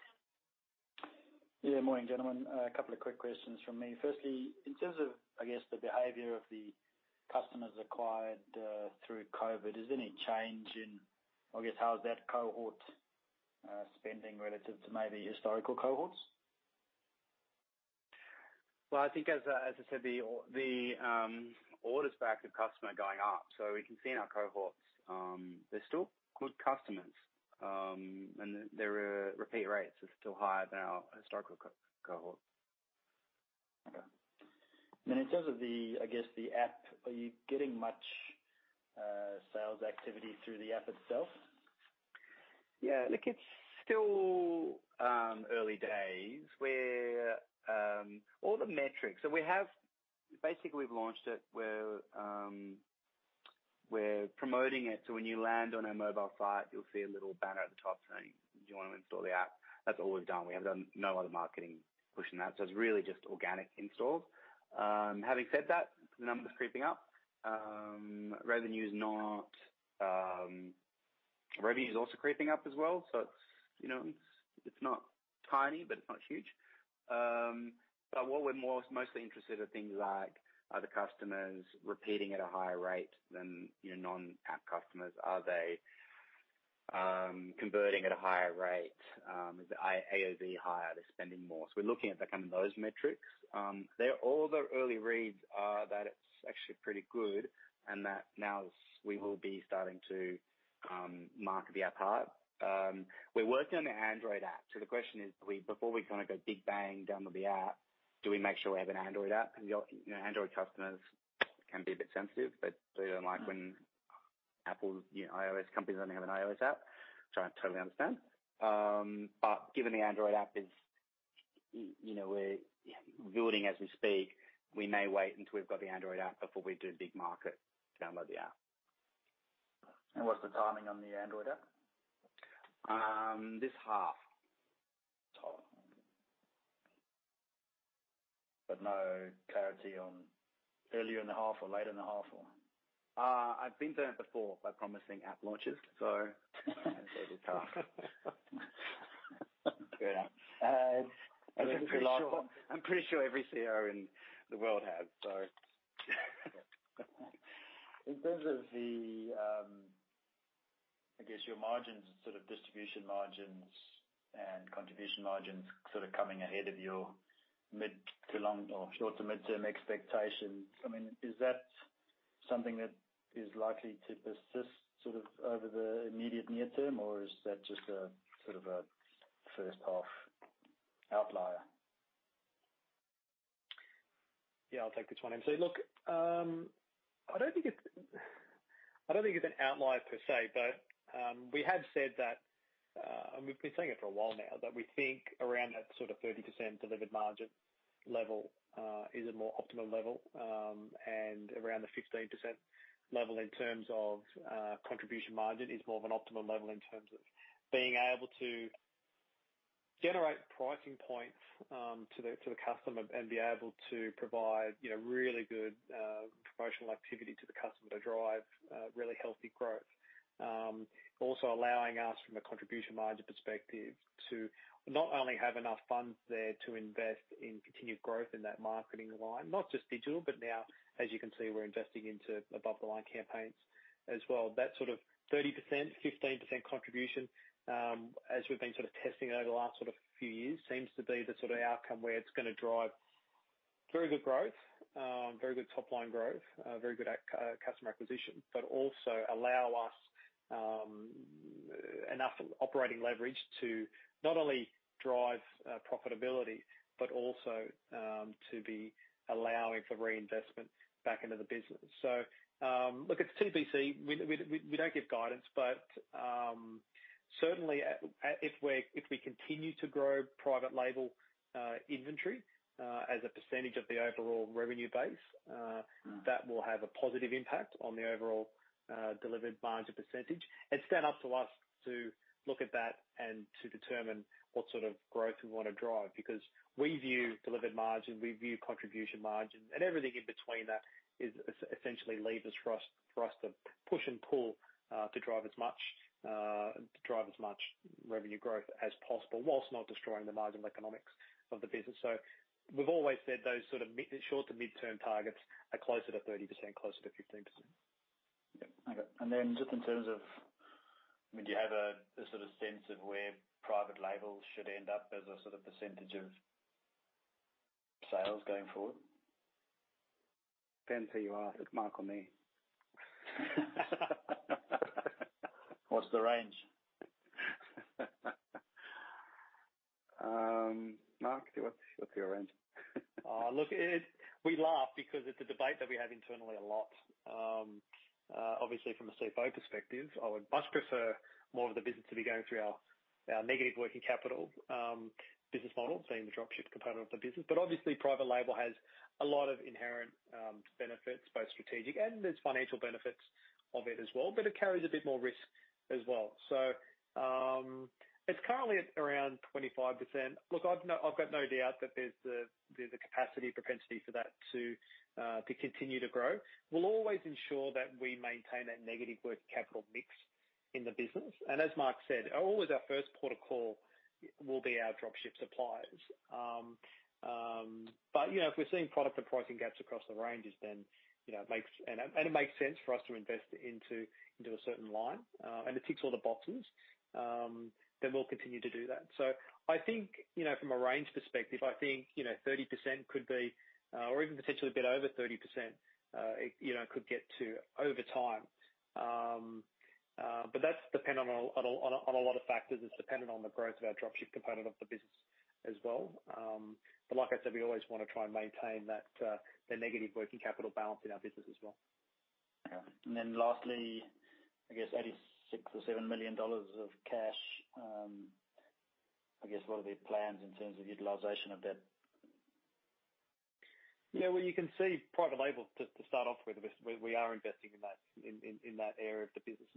Yeah, morning, gentlemen. A couple of quick questions from me. Firstly, in terms of, I guess, the behavior of the customers acquired through COVID, is there any change in how that cohort is spending relative to maybe historical cohorts? Well, I think, as I said, the orders per active customer are going up. We can see in our cohorts they're still good customers. Their repeat rates are still higher than our historical cohort. Okay. In terms of the app, are you getting much sales activity through the app itself? Yeah, look, it's still early days. We've launched it. We're promoting it. When you land on our mobile site, you'll see a little banner at the top saying, "Do you want to install the app?" That's all we've done. We have done no other marketing pushing that. It's really just organic installs. Having said that, the numbers are creeping up. Revenue is also creeping up as well. It's not tiny, but it's not huge. What we're mostly interested are things like, are the customers repeating at a higher rate than your non-app customers? Are they converting at a higher rate? Is the AOV higher? Are they spending more? We're looking at kind of those metrics. All the early reads are that it's actually pretty good. Now we will be starting to market the app hard. We are working on the Android app. The question is, before we go big bang download the app, do we make sure we have an Android app? Android customers can be a bit sensitive. They do not like when Apple, iOS companies only have an iOS app, which I totally understand. Given the Android app we are building as we speak, we may wait until we have got the Android app before we do a big market download the app. What is the timing on the Android app? This half. No clarity on earlier in the half or later in the half or? I have been burnt before by promising app launches, so it is a bit tough. Fair enough. I am pretty sure every CRO in the world has. In terms of the, I guess your margins, distribution margins and contribution margins coming ahead of your mid to long or short to midterm expectations. Is that something that is likely to persist over the immediate near term, or is that just a first half outlier? Yeah, I'll take this one. Look, I don't think it's an outlier per se, but we have said that, and we've been saying it for a while now, that we think around that 30% delivered margin level is a more optimal level. Around the 15% level in terms of contribution margin is more of an optimal level in terms of being able to generate pricing points to the customer and be able to provide really good promotional activity to the customer to drive really healthy growth. Also allowing us, from a contribution margin perspective, to not only have enough funds there to invest in continued growth in that marketing line, not just digital, but now as you can see, we're investing into above-the-line campaigns as well. That sort of 30%, 15% contribution as we've been testing over the last few years, seems to be the outcome where it's going to drive very good growth. Very good top-line growth, very good at customer acquisition. Also allow us enough operating leverage to not only drive profitability but also to be allowing for reinvestment back into the business. Look, it's TBC. We don't give guidance, but certainly if we continue to grow private label inventory as a % of the overall revenue base, that will have a positive impact on the overall delivered margin percentage. It's then up to us to look at that and to determine what sort of growth we want to drive. We view delivered margin, we view contribution margin, and everything in between that is essentially levers for us to push and pull to drive as much revenue growth as possible whilst not destroying the margin economics of the business. We've always said those short- to midterm targets are closer to 30%, closer to 15%. Okay. Just in terms of, do you have a sense of where private label should end up as a % of sales going forward? Depends who you ask. It's Mark or me. What's the range? Mark, what's your range? We laugh because it's a debate that we have internally a lot. Obviously, from a CFO perspective, I would much prefer more of the business to be going through our negative working capital business model, being the dropship component of the business. Obviously private label has a lot of inherent benefits, both strategic and there's financial benefits of it as well, but it carries a bit more risk as well. It's currently at around 25%. Look, I've got no doubt that there's a capacity propensity for that to continue to grow. We'll always ensure that we maintain that negative working capital mix in the business. As Mark said, always our first port of call will be our dropship suppliers. If we're seeing product and pricing gaps across the ranges, and it makes sense for us to invest into a certain line, and it ticks all the boxes, then we'll continue to do that. I think from a range perspective, I think 30% could be or even potentially a bit over 30% it could get to over time. That's dependent on a lot of factors. It's dependent on the growth of our dropship component of the business as well. Like I said, we always want to try and maintain that negative working capital balance in our business as well. Lastly, I guess 86 million dollars or AUD 87 million of cash. I guess what are the plans in terms of utilization of that? Well, you can see private label to start off with. We are investing in that area of the business.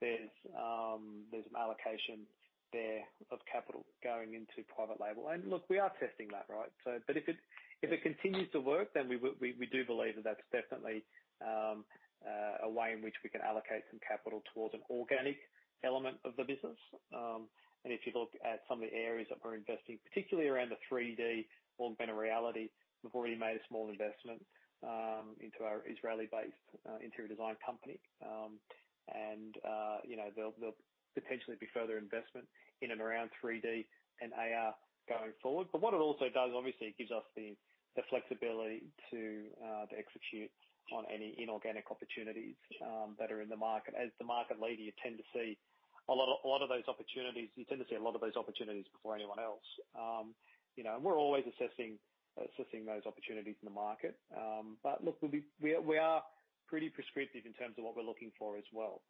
There's an allocation there of capital going into private label. Look, we are testing that, right? If it continues to work, then we do believe that's definitely a way in which we can allocate some capital towards an organic element of the business. If you look at some of the areas that we're investing, particularly around the 3D augmented reality, we've already made a small investment into our Israeli-based interior design company. There'll potentially be further investment in and around 3D and AR going forward. What it also does, obviously, it gives us the flexibility to execute on any inorganic opportunities that are in the market. As the market leader, you tend to see a lot of those opportunities, you tend to see a lot of those opportunities before anyone else. We're always assessing those opportunities in the market. Look, we are pretty prescriptive in terms of what we're looking for as well.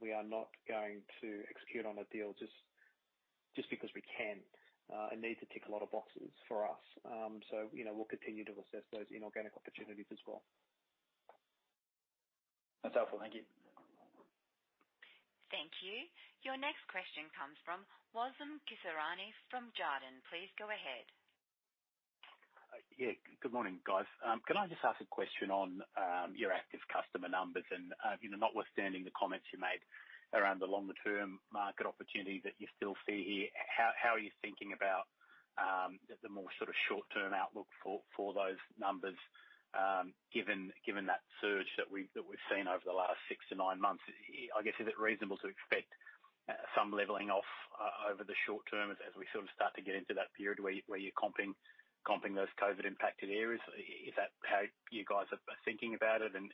We are not going to execute on a deal just because we can. It needs to tick a lot of boxes for us. We'll continue to assess those inorganic opportunities as well. That's helpful. Thank you. Thank you. Your next question comes from Wassim Kisirwani from Jarden. Please go ahead. Yeah. Good morning, guys. Can I just ask a question on your active customer numbers and, notwithstanding the comments you made around the longer-term market opportunity that you still see here, how are you thinking about the more short-term outlook for those numbers given that surge that we've seen over the last six to nine months? I guess, is it reasonable to expect some leveling off over the short term as we start to get into that period where you're comping those COVID-impacted areas? Is that how you guys are thinking about it, and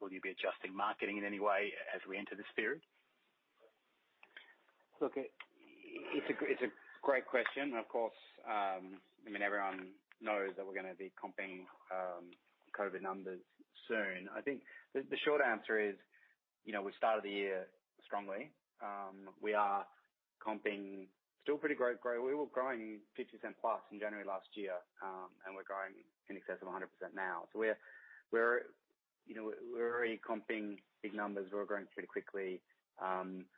will you be adjusting marketing in any way as we enter this period? Look, it's a great question. Of course, everyone knows that we're going to be comping COVID numbers soon. I think the short answer is, we started the year strongly. We are comping still pretty great. We were growing 50% plus in January last year, and we're growing in excess of 100% now. We're already comping big numbers. We're growing pretty quickly.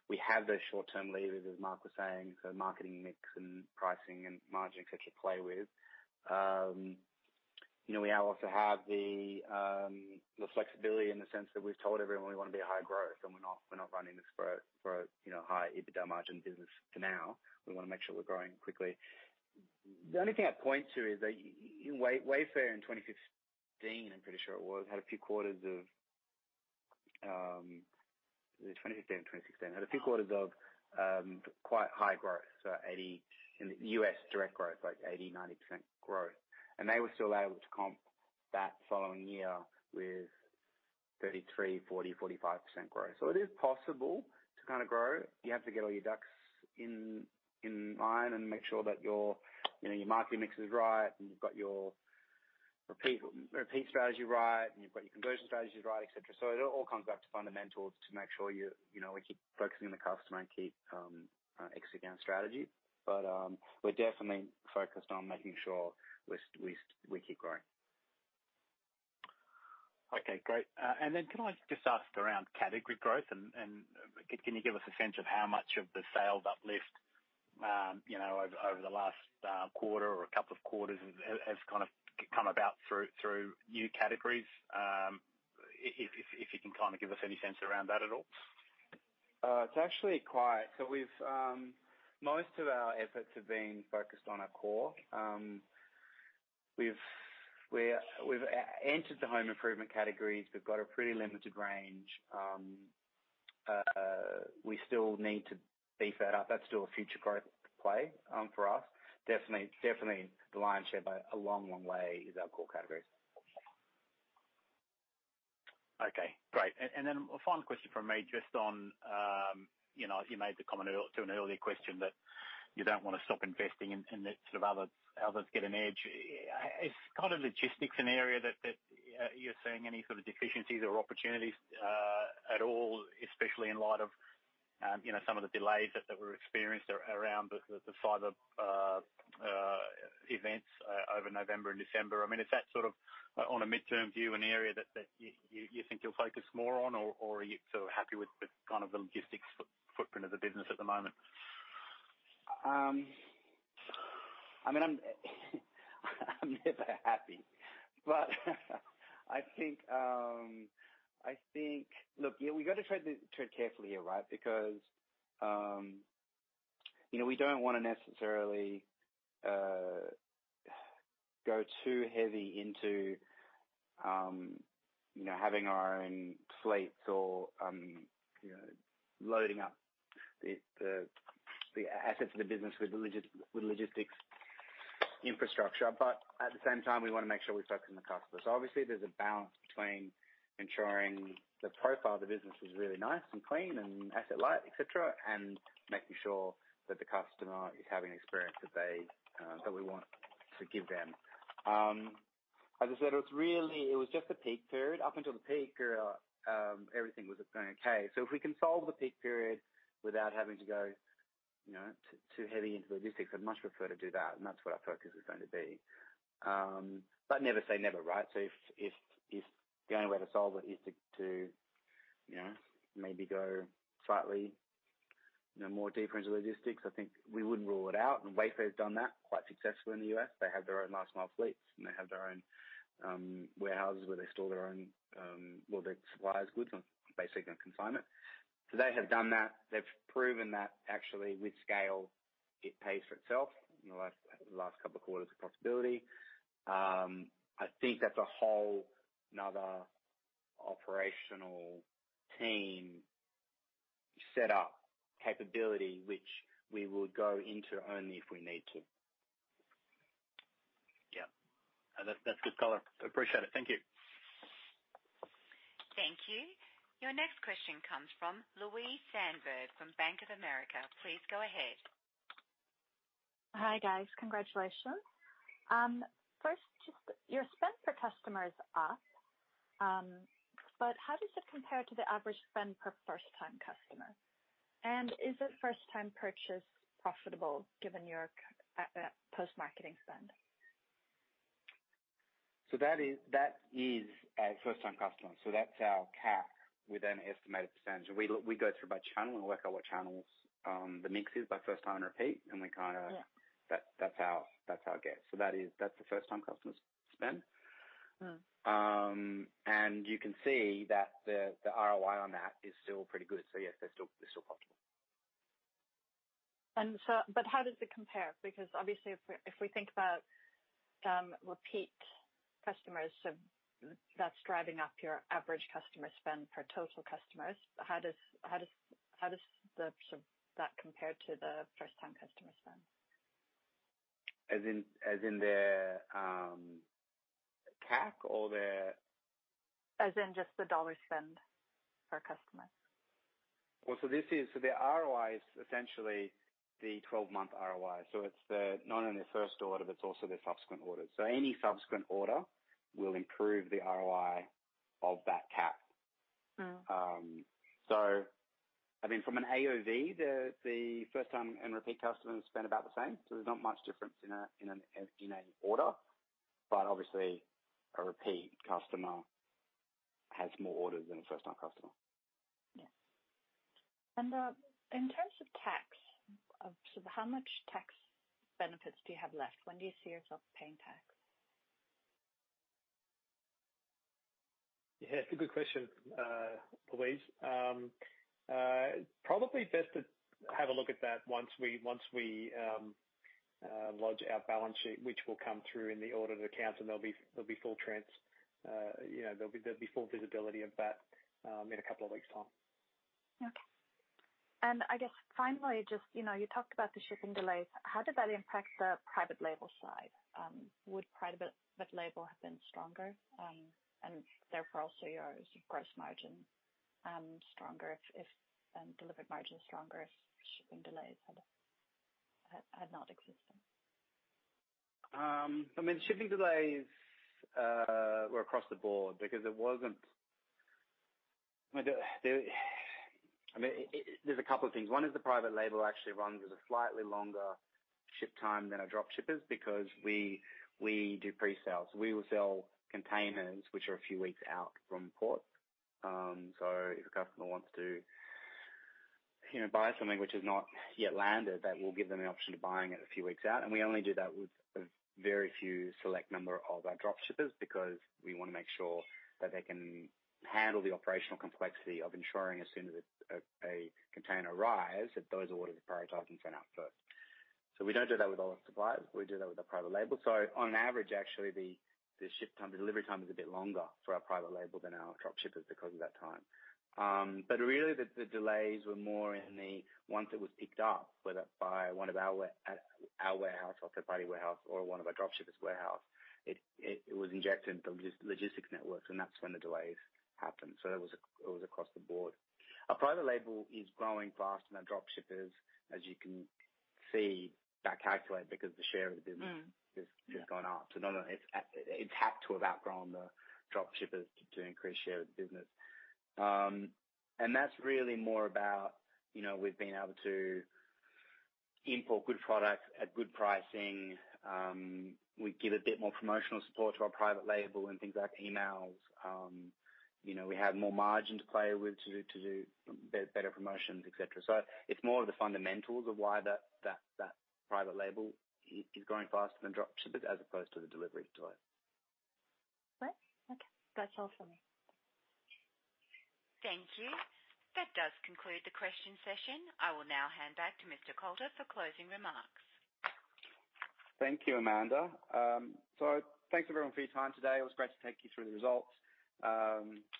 We have those short-term levers, as Mark was saying, so marketing mix and pricing and margins that you play with. We also have the flexibility in the sense that we've told everyone we want to be high growth, and we're not running this for a high EBITDA margin business for now. We want to make sure we're growing quickly. The only thing I'd point to is that Wayfair in 2015, I'm pretty sure it was, had a few quarters of. Was it 2015 or 2016? Had a few quarters of quite high growth. In the U.S., direct growth, like 80%-90% growth. They were still able to comp that following year with 33%, 40%, 45% growth. It is possible to grow. You have to get all your ducks in line and make sure that your marketing mix is right and you've got your repeat strategy right, and you've got your conversion strategies right, et cetera. It all comes back to fundamentals to make sure we keep focusing on the customer and keep executing our strategy. We're definitely focused on making sure we keep growing. Okay, great. Can I just ask around category growth and can you give us a sense of how much of the sales uplift over the last quarter or a couple of quarters has come about through new categories? If you can give us any sense around that at all? Most of our efforts have been focused on our core. We've entered the home improvement categories. We've got a pretty limited range. We still need to beef that up. That's still a future growth play for us. Definitely, the lion's share by a long, long way is our core categories. Okay, great. A final question from me, just on, you made the comment to an earlier question that you don't want to stop investing and that others get an edge. Is logistics an area that you're seeing any sort of deficiencies or opportunities at all, especially in light of some of the delays that were experienced around the Cyber events over November and December? Is that sort of, on a midterm view, an area that you think you'll focus more on, or are you happy with the logistics footprint of the business at the moment? I'm never happy. I think, look, yeah, we've got to tread carefully here, right? Because we don't want to necessarily go too heavy into having our own fleets or loading up the assets of the business with logistics infrastructure. At the same time, we want to make sure we're focusing on the customer. Obviously, there's a balance between ensuring the profile of the business is really nice and clean and asset-light, et cetera, and making sure that the customer is having the experience that we want to give them. As I said, it was just the peak period. Up until the peak, everything was going okay. If we can solve the peak period without having to go too heavy into logistics, I'd much prefer to do that, and that's what our focus is going to be. Never say never, right? If the only way to solve it is to maybe go slightly more deep into logistics, I think we wouldn't rule it out. Wayfair's done that quite successfully in the U.S. They have their own last-mile fleets, and they have their own warehouses where they store their suppliers' goods on, basically, consignment. They have done that. They've proven that actually, with scale, it pays for itself in the last couple of quarters of profitability. I think that's a whole another operational team set-up capability, which we will go into only if we need to. Yeah. That's good color. Appreciate it. Thank you. Thank you. Your next question comes from Louise Sandberg from Bank of America. Please go ahead. Hi, guys. Congratulations. First, your spend per customer is up. How does it compare to the average spend per first-time customer? Is a first-time purchase profitable given your post-marketing spend? That is a first-time customer. That's our CAC with an estimated percentage. We go through by channel and work out what channels the mix is by first time and repeat. Yeah. That's our guess. That's the first-time customer spend. You can see that the ROI on that is still pretty good. Yes, they're still profitable. How does it compare? Obviously if we think about repeat customers, so that's driving up your average customer spend per total customers. How does that compare to the first-time customer spend? As in the CAC or the. As in just the dollar spend per customer. Well, the ROI is essentially the 12-month ROI. It's not only the first order, but it's also the subsequent orders. Any subsequent order will improve the ROI of that CAC. I mean, from an AOV, the first time and repeat customers spend about the same. There's not much difference in an order. Obviously, a repeat customer has more orders than a first-time customer. Yeah. In terms of tax, how much tax benefits do you have left? When do you see yourself paying tax? Yeah, it's a good question, Louise. Probably best to have a look at that once we lodge our balance sheet, which will come through in the audited accounts, and there'll be full visibility of that in a couple of weeks' time. Okay. I guess finally, just you talked about the shipping delays. How did that impact the private label side? Would private label have been stronger and therefore also your gross margin stronger, delivered margin stronger if shipping delays had not existed? I mean, shipping delays were across the board because there's a couple of things. One is the private label actually runs with a slightly longer ship time than our drop shippers because we do pre-sales. We will sell containers which are a few weeks out from port. If a customer wants to buy something which has not yet landed, that will give them the option of buying it a few weeks out. We only do that with a very few select number of our drop shippers because we want to make sure that they can handle the operational complexity of ensuring as soon as a container arrives, that those orders are prioritized and sent out first. We don't do that with all our suppliers. We do that with the private label. On average, actually, the ship time, the delivery time is a bit longer for our private label than our drop shippers because of that time. Really, the delays were more in the ones that were picked up, whether by one of our warehouse or third-party warehouse or one of our drop shippers' warehouse. It was injected into logistics networks, and that's when the delays happened. It was across the board. Our private label is growing faster than our drop shippers, as you can see that calculated because the share of the business. Has gone up. No, it's had to have outgrown the drop shippers to increase share of the business. That's really more about, we've been able to import good products at good pricing. We give a bit more promotional support to our private label in things like emails. We have more margin to play with to do better promotions, et cetera. It's more of the fundamentals of why that private label is growing faster than drop shippers as opposed to the delivery delays. Right. Okay. That's all for me. Thank you. That does conclude the question session. I will now hand back to Mr. Coulter for closing remarks. Thank you, Amanda. Thanks, everyone, for your time today. It was great to take you through the results.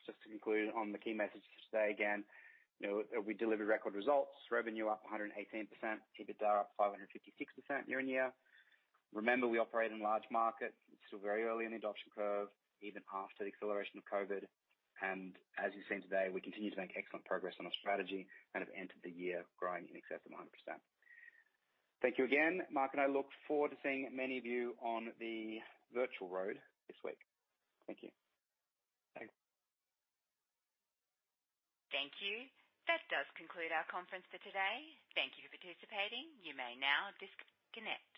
Just to conclude on the key messages today, again, we delivered record results. Revenue up 118%, EBITDA up 556% year-on-year. Remember, we operate in large markets. It's still very early in the adoption curve, even after the acceleration of COVID. As you've seen today, we continue to make excellent progress on our strategy and have ended the year growing in excess of 100%. Thank you again. Mark and I look forward to seeing many of you on the virtual road this week. Thank you. Thanks. Thank you. That does conclude our conference for today. Thank you for participating. You may now disconnect.